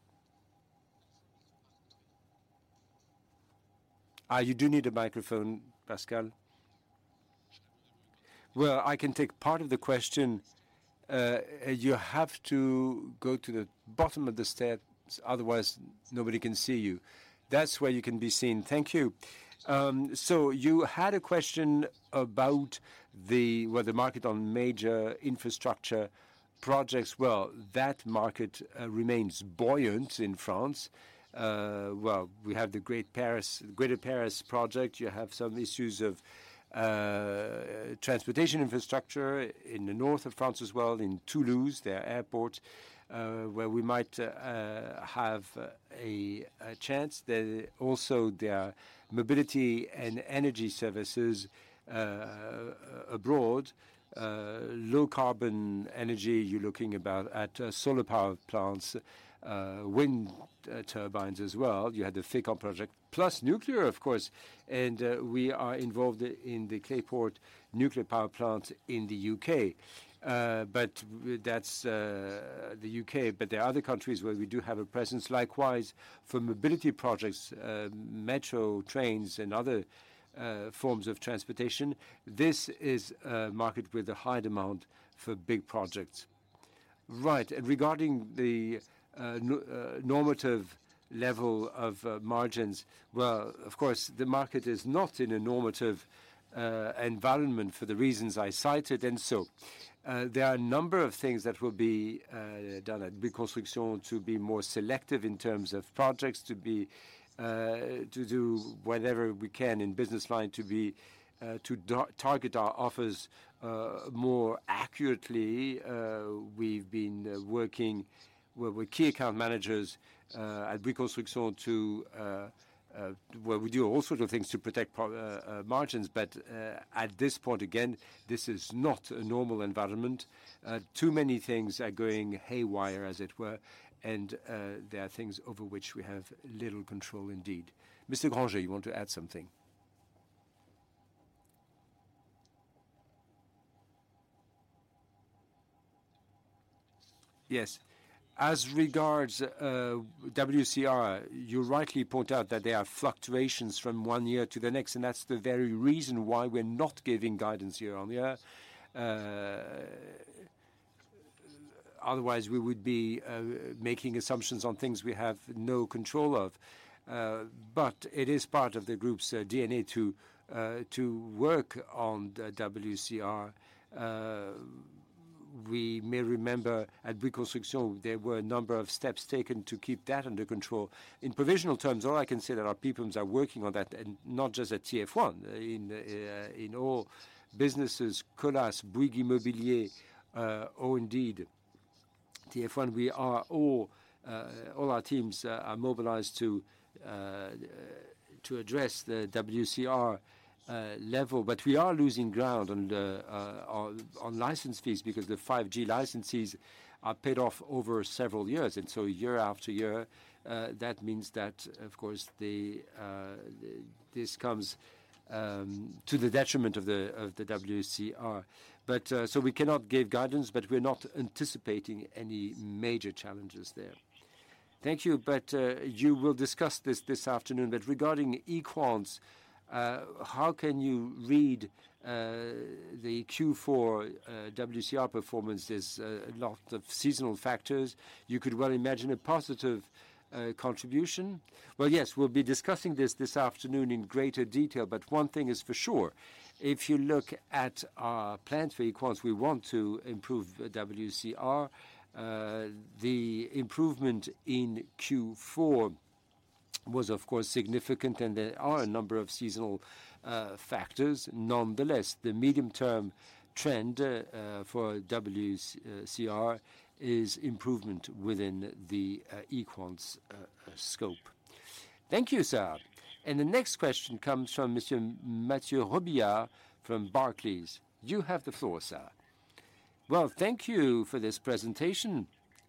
You do need a microphone, Pascal. Well, I can take part of the question. You have to go to the bottom of the steps, otherwise nobody can see you. That's where you can be seen. Thank you. You had a question about the, well, the market on major infrastructure projects. That market remains buoyant in France. We have the Great Paris, Greater Paris project. You have some issues of transportation infrastructure in the north of France as well. In Toulouse, their airport, where we might have a chance. There also, there are mobility and energy services abroad. Low carbon energy, you're looking about at solar power plants, wind turbines as well. You had the Fécamp project, plus nuclear of course. We are involved in the Hinkley Point nuclear power plant in the U.K. That's the U.K. There are other countries where we do have a presence. Likewise for mobility projects, metro trains and other forms of transportation. This is a market with a high demand for big projects. Right. Regarding the normative level of margins, well, of course, the market is not in a normative environment for the reasons I cited. There are a number of things that will be done at Bouygues Construction to be more selective in terms of projects, to do whatever we can in business line to target our offers more accurately. We've been working with key account managers at Bouygues Construction to. Well, we do all sorts of things to protect margins. At this point, again, this is not a normal environment. Too many things are going haywire, as it were. There are things over which we have little control indeed. Mr. Grangé, you want to add something? Yes. As regards WCR, you rightly point out that there are fluctuations from one year to the next, that's the very reason why we're not giving guidance year on year. Otherwise we would be making assumptions on things we have no control of. It is part of the group's DNA to work on the WCR. We may remember at Bouygues Construction, there were a number of steps taken to keep that under control. In provisional terms, all I can say, there are people who are working on that, and not just at TF1. In all businesses, Colas, Bouygues Immobilier, or indeed TF1, all our teams are mobilized to address the WCR level. We are losing ground on the license fees because the 5G licenses are paid off over several years. Year after year, that means that of course this comes to the detriment of the WCR. We cannot give guidance, but we're not anticipating any major challenges there. Thank you. You will discuss this this afternoon. Regarding Equans, how can you read the Q4 WCR performances? A lot of seasonal factors. You could well imagine a positive contribution. Well, yes, we'll be discussing this this afternoon in greater detail. One thing is for sure, if you look at our plans for Equans, we want to improve WCR. The improvement in Q4 was, of course, significant, and there are a number of seasonal factors. Nonetheless, the medium-term trend for WCR is improvement within the Equans scope. Thank you, sir. The next question comes from Monsieur Mathieu Robilliard from Barclays. You have the floor, sir. Well, thank you for this presentation.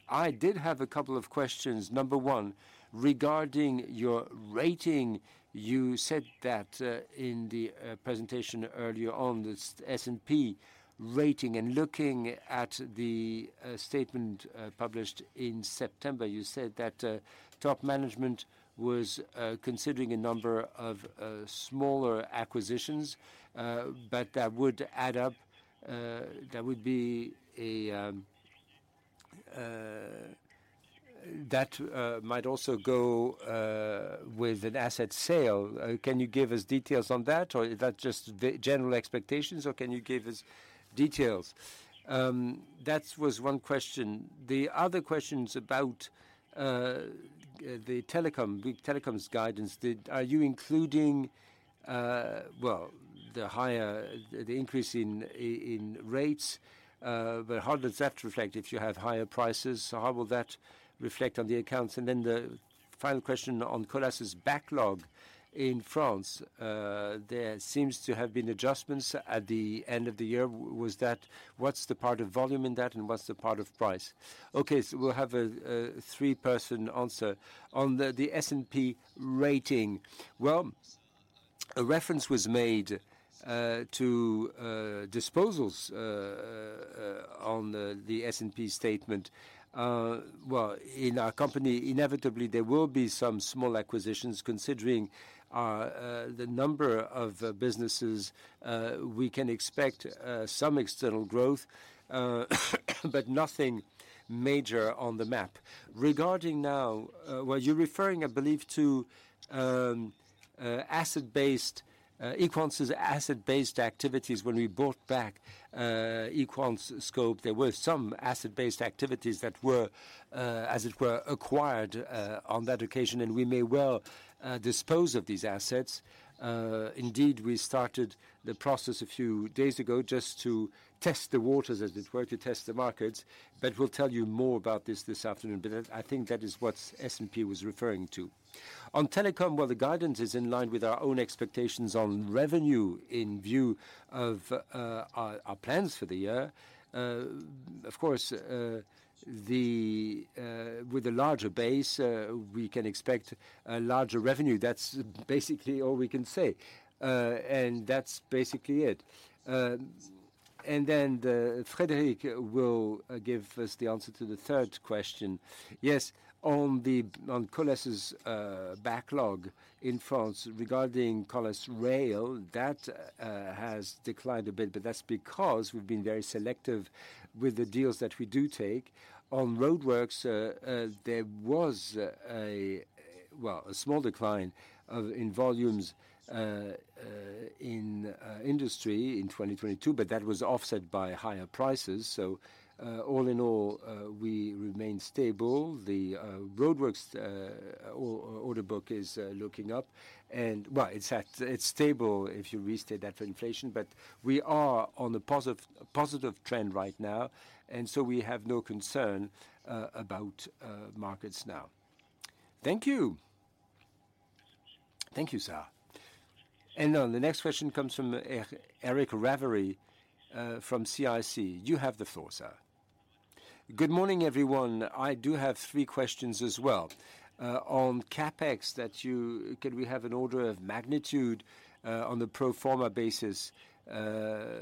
I did have a couple of questions. Number one, regarding your rating. You said that in the presentation earlier on, the S&P rating, and looking at the statement published in September, you said that top management was considering a number of smaller acquisitions, but that would add up. That might also go with an asset sale. Can you give us details on that, or is that just the general expectations, or can you give us details? That was one question. The other question's about the telecom, Bouygues Telecom's guidance. Are you including, well, the higher, the increase in rates? How does that reflect if you have higher prices? How will that reflect on the accounts? The final question on Colas's backlog in France. There seems to have been adjustments at the end of the year. What's the part of volume in that, and what's the part of price? We'll have a three-person answer. On the S&P rating. A reference was made to disposals on the S&P statement. In our company, inevitably there will be some small acquisitions considering our the number of businesses. We can expect some external growth, but nothing major on the map. Regarding now, well, you're referring, I believe, to asset-based, Equans' asset-based activities. When we bought back, Equans scope, there were some asset-based activities that were, as it were, acquired on that occasion, and we may well dispose of these assets. Indeed, we started the process a few days ago just to test the waters, as it were, to test the markets. We'll tell you more about this this afternoon. I think that is what S&P was referring to. On telecom, well, the guidance is in line with our own expectations on revenue in view of our plans for the year. Of course, the with the larger base, we can expect a larger revenue. That's basically all we can say. That's basically it. Frédéric will give us the answer to the third question. Yes. On Colas's backlog in France, regarding Colas Rail, that has declined a bit, but that's because we've been very selective with the deals that we do take. On roadworks, there was a, well, a small decline of, in volumes, in industry in 2022, but that was offset by higher prices. All in all, we remain stable. The roadworks order book is looking up. Well, it's at, it's stable if you restate that for inflation. We are on a positive trend right now, we have no concern about markets now. Thank you. Thank you, sir. The next question comes from Eric Ravary, from CIC. You have the floor, sir. Good morning, everyone. I do have three questions as well. On CapEx. Can we have an order of magnitude on the pro forma basis? How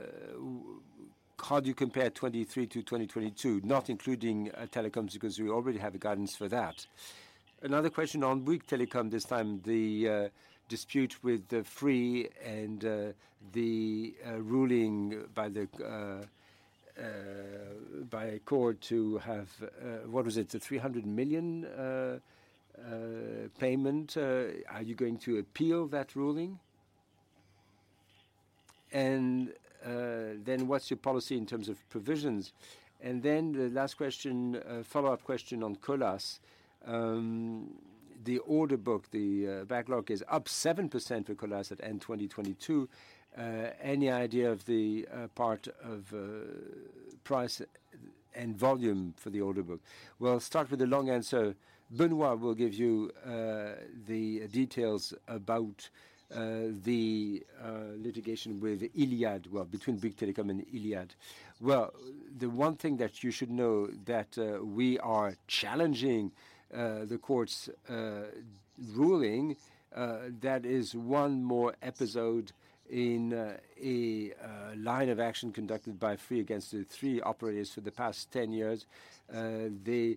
do you compare 2023 to 2022? Not including telecoms because we already have the guidance for that. Another question on Bouygues Telecom this time. The dispute with Free and the ruling by a court to have, what was it? The 300 million payment. Are you going to appeal that ruling? Then what's your policy in terms of provisions? The last question, a follow-up question on Colas. The order book, the backlog is up 7% for Colas at end 2022. Any idea of the part of price and volume for the order book? I'll start with the long answer. Benoît will give you the details about the litigation with Iliad, well, between Bouygues Telecom and Iliad. The one thing that you should know that we are challenging the court's ruling, that is one more episode in a line of action conducted by Free against the three operators for the past 10 years. They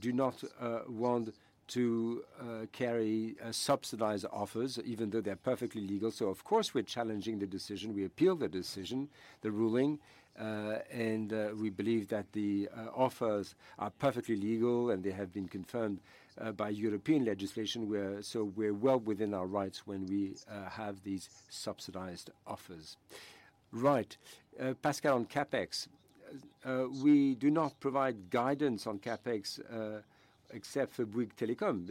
do not want to carry subsidized offers even though they're perfectly legal. Of course, we're challenging the decision. We appeal the decision, the ruling. We believe that the offers are perfectly legal and they have been confirmed by European legislation. We're well within our rights when we have these subsidized offers. Right. Pascal, on CapEx. We do not provide guidance on CapEx, except for Bouygues Telecom.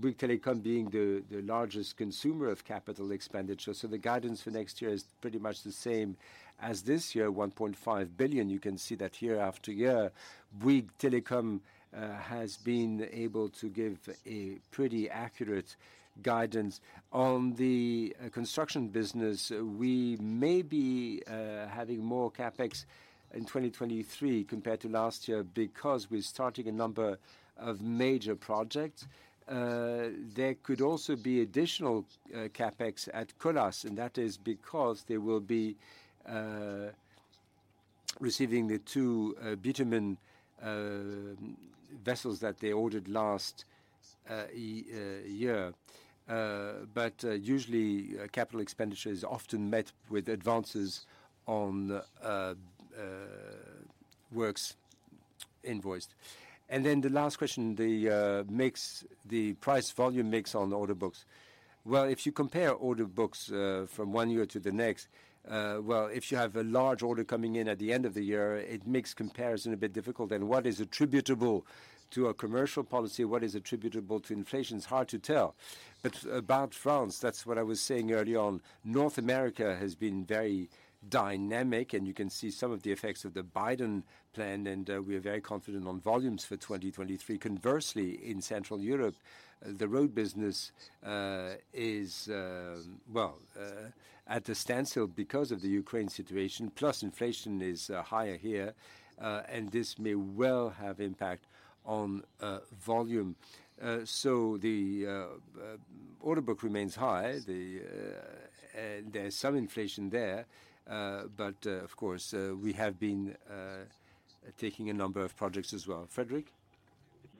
Bouygues Telecom being the largest consumer of capital expenditure, the guidance for next year is pretty much the same as this year, 1.5 billion. You can see that year-after-year, Bouygues Telecom has been able to give a pretty accurate guidance. On the construction business, we may be having more CapEx in 2023 compared to last year because we're starting a number of major projects. There could also be additional CapEx at Colas, and that is because they will be receiving the two bitumen vessels that they ordered last year. Usually capital expenditure is often met with advances on works invoiced. The last question, the mix, the price volume mix on order books. If you compare order books from one year to the next, if you have a large order coming in at the end of the year, it makes comparison a bit difficult. What is attributable to a commercial policy, what is attributable to inflation, it's hard to tell. About France, that's what I was saying earlier on. North America has been very dynamic, and you can see some of the effects of the Biden plan, and we are very confident on volumes for 2023. Conversely, in Central Europe, the road business is well at a standstill because of the Ukraine situation, plus inflation is higher here, and this may well have impact on volume. The order book remains high. There's some inflation there, but of course, we have been taking a number of projects as well. Frédérick?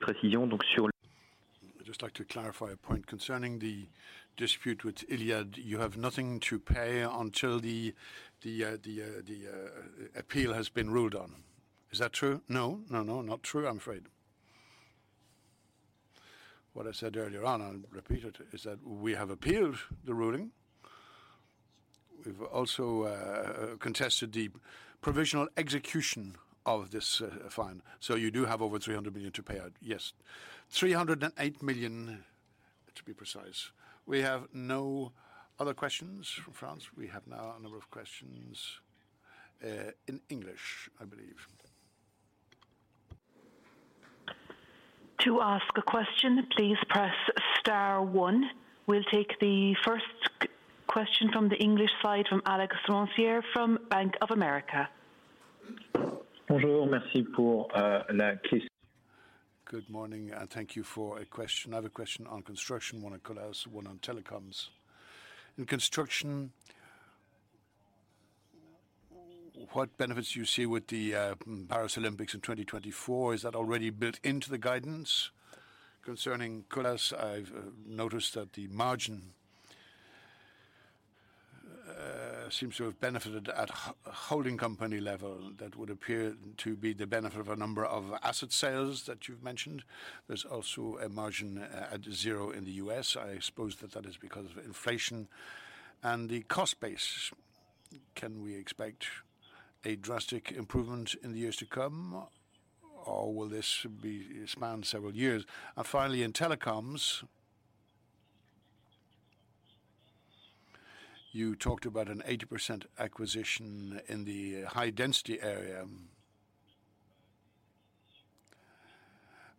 I'd just like to clarify a point concerning the dispute with Iliad. You have nothing to pay until the appeal has been ruled on. Is that true? No, not true, I'm afraid. What I said earlier on, I'll repeat it, is that we have appealed the ruling. We've also contested the provisional execution of this fine. You do have over 300 million to pay out? Yes. 308 million to be precise. We have no other questions from France. We have now a number of questions in English, I believe. To ask a question, please press star one. We'll take the first question from the English side from Alex Roncier from Bank of America. Good morning. Thank you for a question. I have a question on construction, one on Colas, one on telecoms. In construction, what benefits do you see with the Paris Olympics in 2024? Is that already built into the guidance? Concerning Colas, I've noticed that the margin seems to have benefited at holding company level that would appear to be the benefit of a number of asset sales that you've mentioned. There's also a margin at zero in the U.S. I suppose that that is because of inflation and the cost base. Can we expect a drastic improvement in the years to come, or will this be spanned several years? Finally, in telecoms, you talked about an 80% acquisition in the high-density area.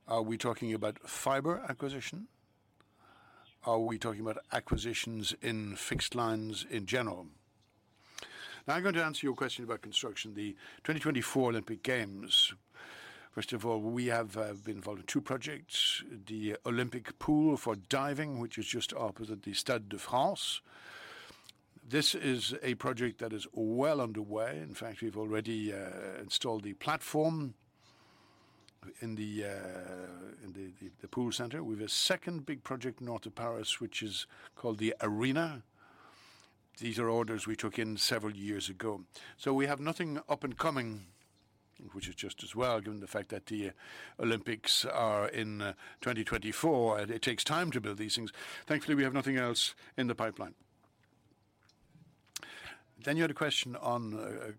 Are we talking about fiber acquisition? Are we talking about acquisitions in fixed lines in general? I'm going to answer your question about construction, the 2024 Olympic Games. First of all, we have been involved in two projects, the Olympic pool for diving, which is just opposite the Stade de France. This is a project that is well underway. In fact, we've already installed the platform in the pool center. We have a second big project north of Paris, which is called The Arena. These are orders we took in several years ago. We have nothing up and coming, which is just as well, given the fact that the Olympics are in 2024, and it takes time to build these things. Thankfully, we have nothing else in the pipeline. You had a question on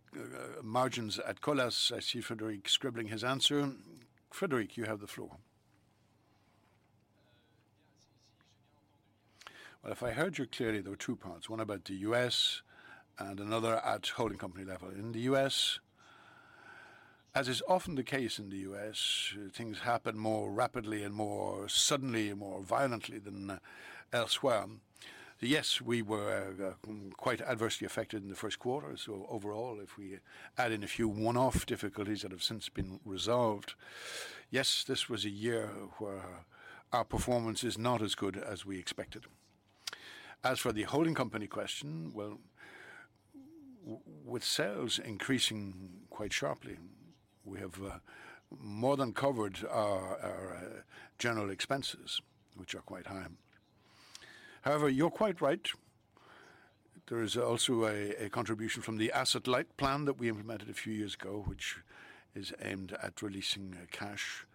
margins at Colas. I see Frédéric scribbling his answer. Frédéric, you have the floor. If I heard you clearly, there were two parts, one about the U.S. and another at holding company level. In the U.S., as is often the case in the U.S., things happen more rapidly and more suddenly and more violently than elsewhere. Yes, we were quite adversely affected in the first quarter. Overall, if we add in a few one-off difficulties that have since been resolved, yes, this was a year where our performance is not as good as we expected. As for the holding company question, with sales increasing quite sharply, we have more than covered our general expenses, which are quite high. However, you're quite right. There is also a contribution from the asset light plan that we implemented a few years ago, which is aimed at releasing cash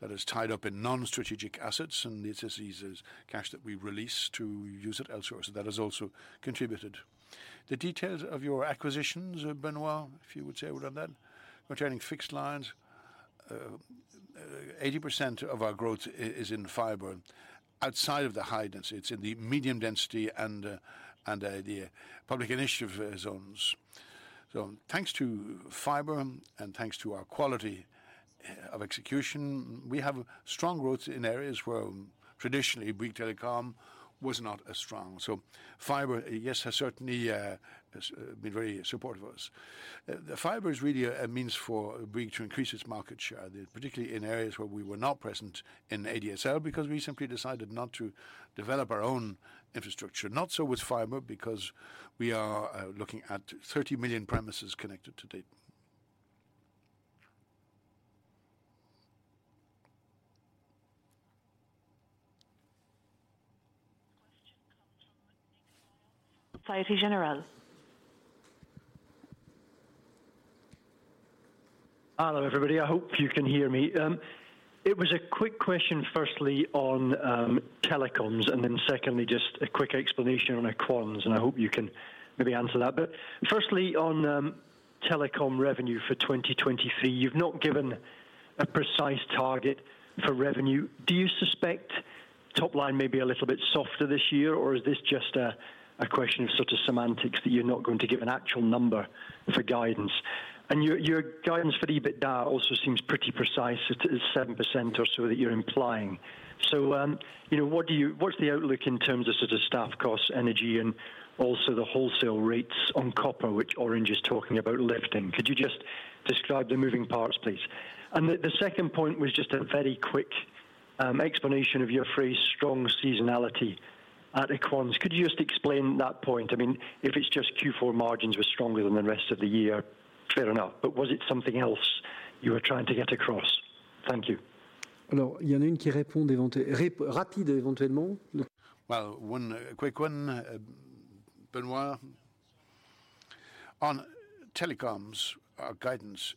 that is tied up in non-strategic assets. This is cash that we release to use it elsewhere. That has also contributed. The details of your acquisitions, Benoît, if you would say a word on that. Concerning fixed lines, 80% of our growth is in fiber. Outside of the high density, it's in the medium density and the public initiative zones. Thanks to fiber and thanks to our quality of execution, we have strong growth in areas where traditionally Bouygues Telecom was not as strong. Fiber, yes, has certainly been very supportive of us. The fiber is really a means for Bouygues to increase its market share, particularly in areas where we were not present in ADSL because we simply decided not to develop our own infrastructure. Not so with fiber because we are looking at 30 million premises connected to date. Question comes from Nicolas Maillard, Société Générale. Hello, everybody. I hope you can hear me. It was a quick question, firstly on telecoms, and then secondly, just a quick explanation on Equans, and I hope you can maybe answer that. Firstly, on telecom revenue for 2023, you've not given a precise target for revenue. Do you suspect top line may be a little bit softer this year, or is this just a question of sort of semantics that you're not going to give an actual number for guidance? Your guidance for the EBITDA also seems pretty precise. It is 7% or so that you're implying. You know, what's the outlook in terms of sort of staff costs, energy, and also the wholesale rates on copper, which Orange is talking about lifting? Could you just describe the moving parts, please? The second point was just a very quick explanation of your phrase, strong seasonality at Equans. Could you just explain that point? I mean, if it's just Q4 margins were stronger than the rest of the year, fair enough. Was it something else you were trying to get across? Thank you. Well, one quick one, Benoît. On telecoms, our guidance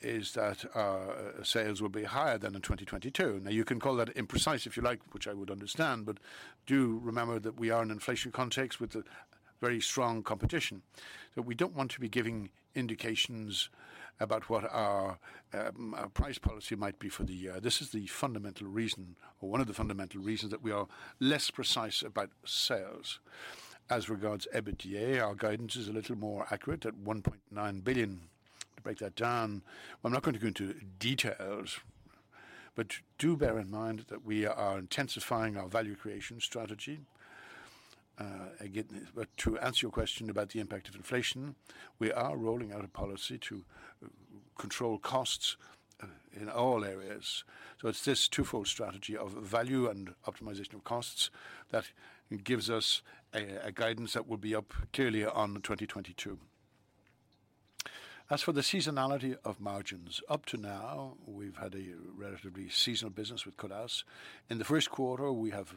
is that our sales will be higher than in 2022. You can call that imprecise if you like, which I would understand, but do remember that we are in inflation context with a very strong competition. We don't want to be giving indications about what our price policy might be for the year. This is the fundamental reason or one of the fundamental reasons that we are less precise about sales. As regards EBITDA, our guidance is a little more accurate at 1.9 billion. To break that down, well, I'm not going to go into details, but do bear in mind that we are intensifying our value creation strategy. Again, to answer your question about the impact of inflation, we are rolling out a policy to control costs in all areas. It's this twofold strategy of value and optimization of costs that gives us guidance that will be up clearly on 2022. As for the seasonality of margins, up to now, we've had a relatively seasonal business with Colas. In the first quarter, we have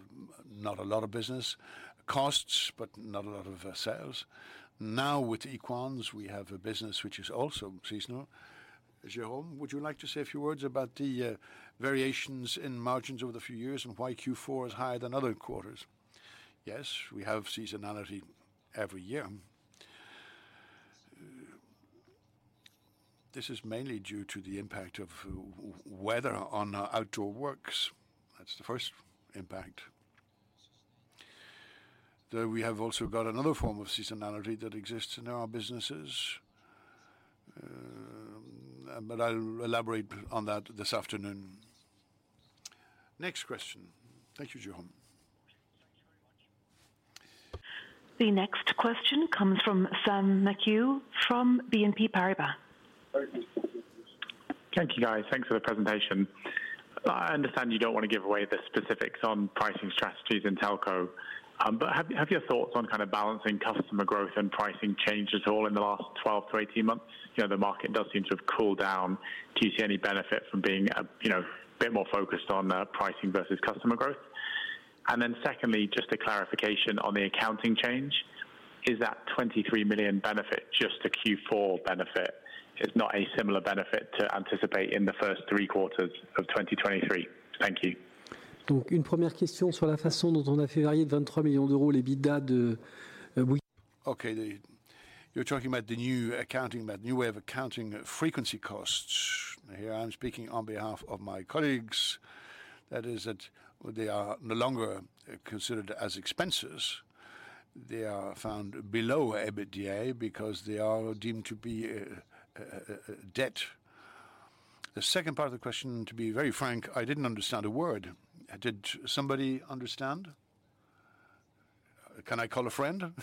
not a lot of business costs, but not a lot of sales. With Equans, we have a business which is also seasonal. Jérôme, would you like to say a few words about the variations in margins over the few years and why Q4 is higher than other quarters? Yes, we have seasonality every year. This is mainly due to the impact of weather on our outdoor works. That's the first impact. Though we have also got another form of seasonality that exists in our businesses. I'll elaborate on that this afternoon. Next question. Thank you, Jérôme. Thank you very much. The next question comes from Sam McHugh from BNP Paribas. Thank you. Thank you, guys. Thanks for the presentation. I understand you don't wanna give away the specifics on pricing strategies in telco, but have your thoughts on kind of balancing customer growth and pricing changed at all in the last 12 to 18 months? You know, the market does seem to have cooled down. Do you see any benefit from being, you know, a bit more focused on pricing versus customer growth? Secondly, just a clarification on the accounting change. Is that 23 million benefit just a Q4 benefit? There's not a similar benefit to anticipate in the first three quarters of 2023. Thank you. Okay. You're talking about the new accounting, that new way of accounting frequency costs. Here, I'm speaking on behalf of my colleagues. That is that they are no longer considered as expenses. They are found below EBITDA because they are deemed to be debt. The second part of the question, to be very frank, I didn't understand a word. Did somebody understand? Can I call a friend?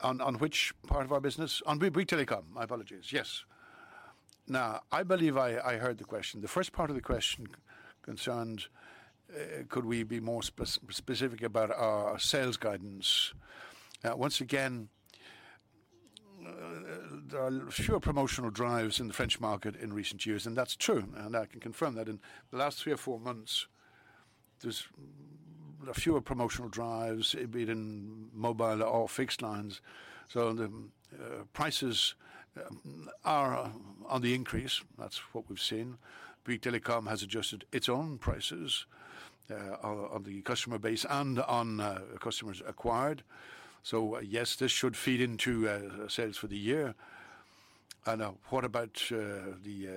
On which part of our business? On Bouygues Telecom. My apologies. Yes. Now, I believe I heard the question. The first part of the question concerned, could we be more specific about our sales guidance. Once again, there are fewer promotional drives in the French market in recent years, that's true. I can confirm that in the last three or four months, there's fewer promotional drives, be it in mobile or fixed lines. The prices are on the increase. That's what we've seen. Bouygues Telecom has adjusted its own prices on the customer base and on customers acquired. Yes, this should feed into sales for the year. What about the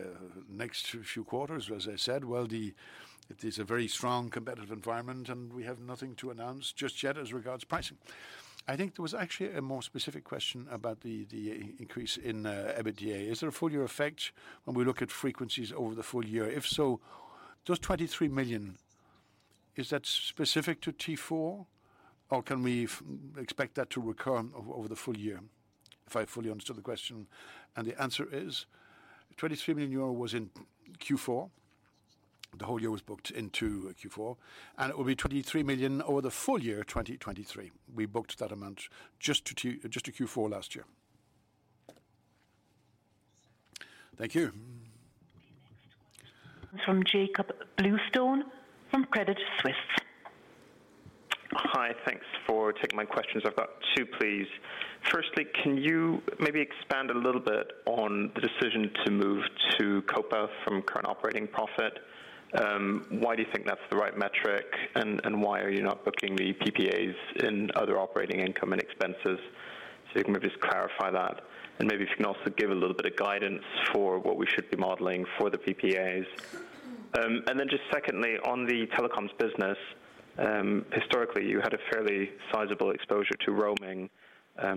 next few quarters, as I said? It is a very strong competitive environment, and we have nothing to announce just yet as regards pricing. I think there was actually a more specific question about the increase in EBITDA. Is there a full-year effect when we look at frequencies over the full year? If so, those 23 million, is that specific to Q4, or can we expect that to recur over the full year? If I fully understood the question. The answer is 23 million euro was in Q4. The whole year was booked into Q4. It will be 23 million over the full-year 2023. We booked that amount just to Q4 last year. Thank you. Okay, next one from Jakob Bluestone from Credit Suisse. Hi. Thanks for taking my questions. I've got two, please. Firstly, can you maybe expand a little bit on the decision to move to COPA from current operating profit? Why do you think that's the right metric, and why are you not booking the PPAs in other operating income and expenses? You can maybe just clarify that. Maybe if you can also give a little bit of guidance for what we should be modeling for the PPAs. Secondly, on the telecoms business, historically you had a fairly sizable exposure to roaming.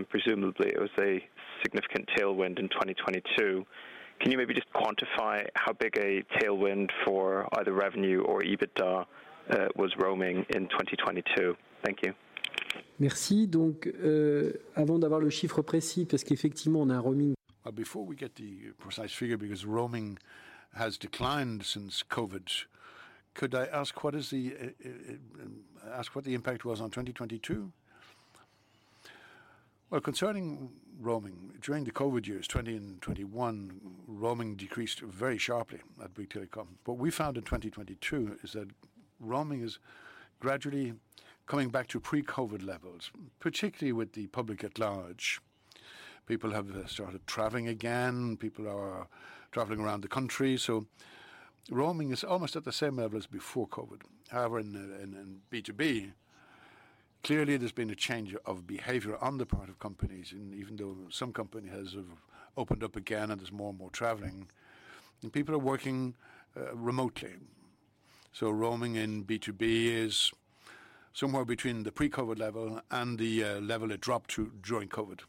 Presumably it was a significant tailwind in 2022. Can you maybe just quantify how big a tailwind for either revenue or EBITDA was roaming in 2022? Thank you. Merci. Avant d'avoir le chiffre précis, parce qu'effectivement on a roaming- Before we get the precise figure, because roaming has declined since COVID, could I ask what the impact was on 2022? Concerning roaming, during the COVID years, 2020 and 2021, roaming decreased very sharply at Bouygues Telecom. What we found in 2022 is that roaming is gradually coming back to pre-COVID levels, particularly with the public at large. People have started traveling again. People are traveling around the country, roaming is almost at the same level as before COVID. However, in B2B, clearly there's been a change of behavior on the part of companies. Even though some company has opened up again and there's more and more traveling, people are working remotely. Roaming in B2B is somewhere between the pre-COVID level and the level it dropped to during COVID.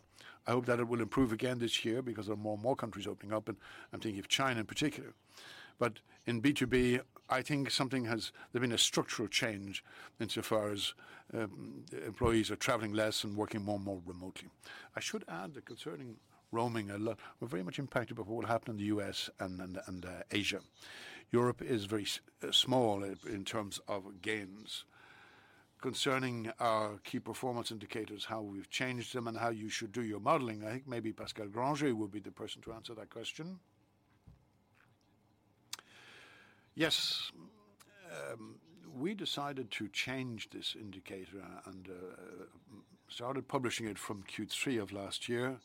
I hope that it will improve again this year because there are more and more countries opening up, and I'm thinking of China in particular. In B2B, I think there's been a structural change insofar as employees are traveling less and working more and more remotely. I should add that concerning roaming a lot, we're very much impacted by what happened in the U.S. and Asia. Europe is very small in terms of gains. Concerning our key performance indicators, how we've changed them, and how you should do your modeling, I think maybe Pascal Grangé will be the person to answer that question. Yes. We decided to change this indicator and started publishing it from Q3 of last year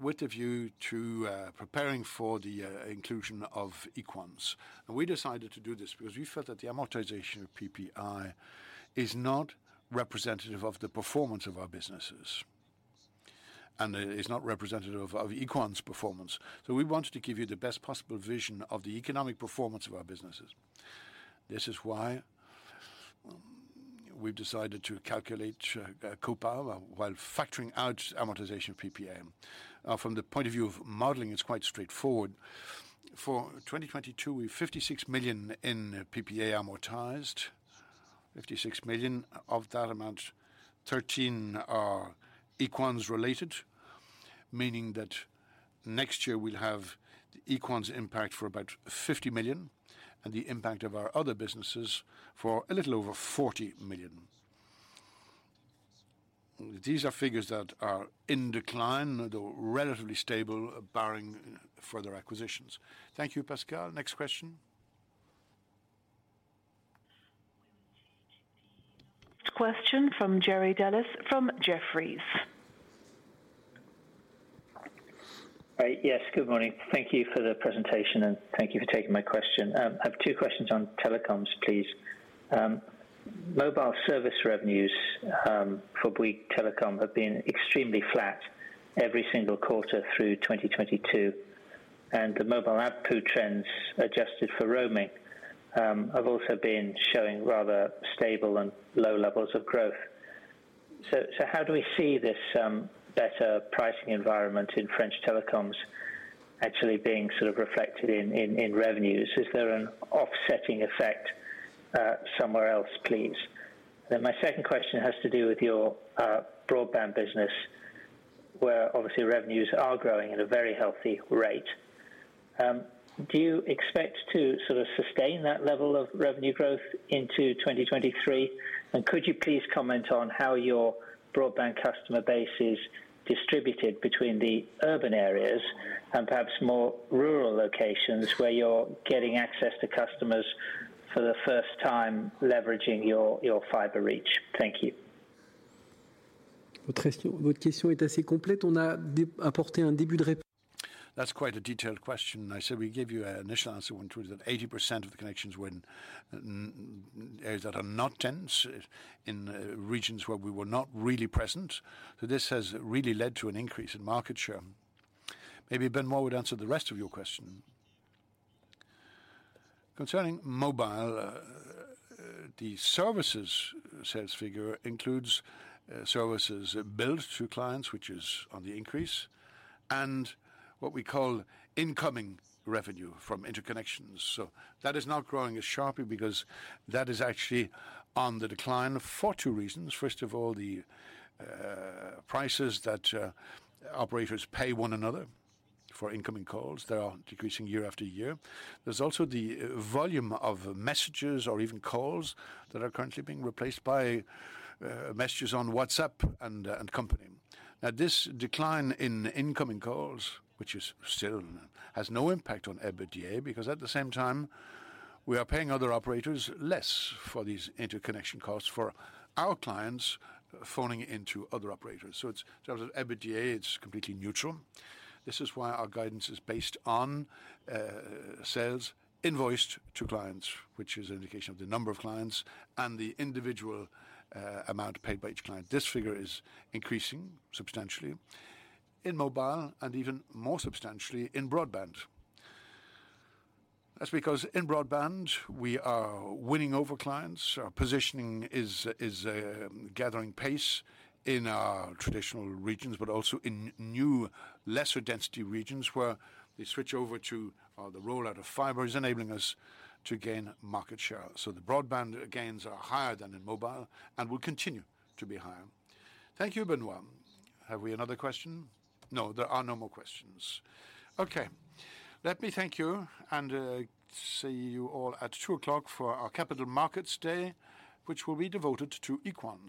with a view to preparing for the inclusion of Equans. We decided to do this because we felt that the amortization of PPA is not representative of the performance of our businesses. And it's not representative of Equans' performance. We wanted to give you the best possible vision of the economic performance of our businesses. This is why we've decided to calculate COPA while factoring out amortization PPA. From the point of view of modeling, it's quite straightforward. For 2022, we have 56 million in PPA amortized. 56 million, of that amount, 13 million are Equans related, meaning that next year we'll have Equans impact for about 50 million and the impact of our other businesses for a little over 40 million. These are figures that are in decline, though relatively stable barring further acquisitions. Thank you, Pascal. Next question. Question from Jerry Dellis from Jefferies. Yes, good morning. Thank you for the presentation, and thank you for taking my question. I have two questions on telecoms, please. Mobile service revenues for Bouygues Telecom have been extremely flat every single quarter through 2022, and the mobile ARPU trends adjusted for roaming have also been showing rather stable and low levels of growth. How do we see this better pricing environment in French telecoms actually being sort of reflected in revenues? Is there an offsetting effect somewhere else, please? My second question has to do with your broadband business, where obviously revenues are growing at a very healthy rate. Do you expect to sort of sustain that level of revenue growth into 2023? Could you please comment on how your broadband customer base is distributed between the urban areas and perhaps more rural locations where you're getting access to customers for the first time leveraging your fiber reach? Thank you. That's quite a detailed question. I said we gave you an initial answer on Tuesday. 80% of the connections were in areas that are not dense, in regions where we were not really present. This has really led to an increase in market share. Maybe Benoît would answer the rest of your question. Concerning mobile, the services sales figure includes services billed to clients, which is on the increase, and what we call incoming revenue from interconnections. That is not growing as sharply because that is actually on the decline for two reasons. First of all, the prices that operators pay one another for incoming calls, they are decreasing year after year. There's also the volume of messages or even calls that are currently being replaced by messages on WhatsApp and company. This decline in incoming calls, which still has no impact on EBITDA, because at the same time, we are paying other operators less for these interconnection costs for our clients phoning into other operators. It's, in terms of EBITDA, it's completely neutral. This is why our guidance is based on sales invoiced to clients, which is an indication of the number of clients and the individual amount paid by each client. This figure is increasing substantially in mobile and even more substantially in broadband. That's because in broadband, we are winning over clients. Our positioning is gathering pace in our traditional regions, but also in new lesser density regions where the switchover to the rollout of fiber is enabling us to gain market share. The broadband gains are higher than in mobile and will continue to be higher. Thank you, Benoît. Have we another question? No, there are no more questions. Okay. Let me thank you and see you all at 2:00 P.M. For our Capital Markets Day, which will be devoted to Equans.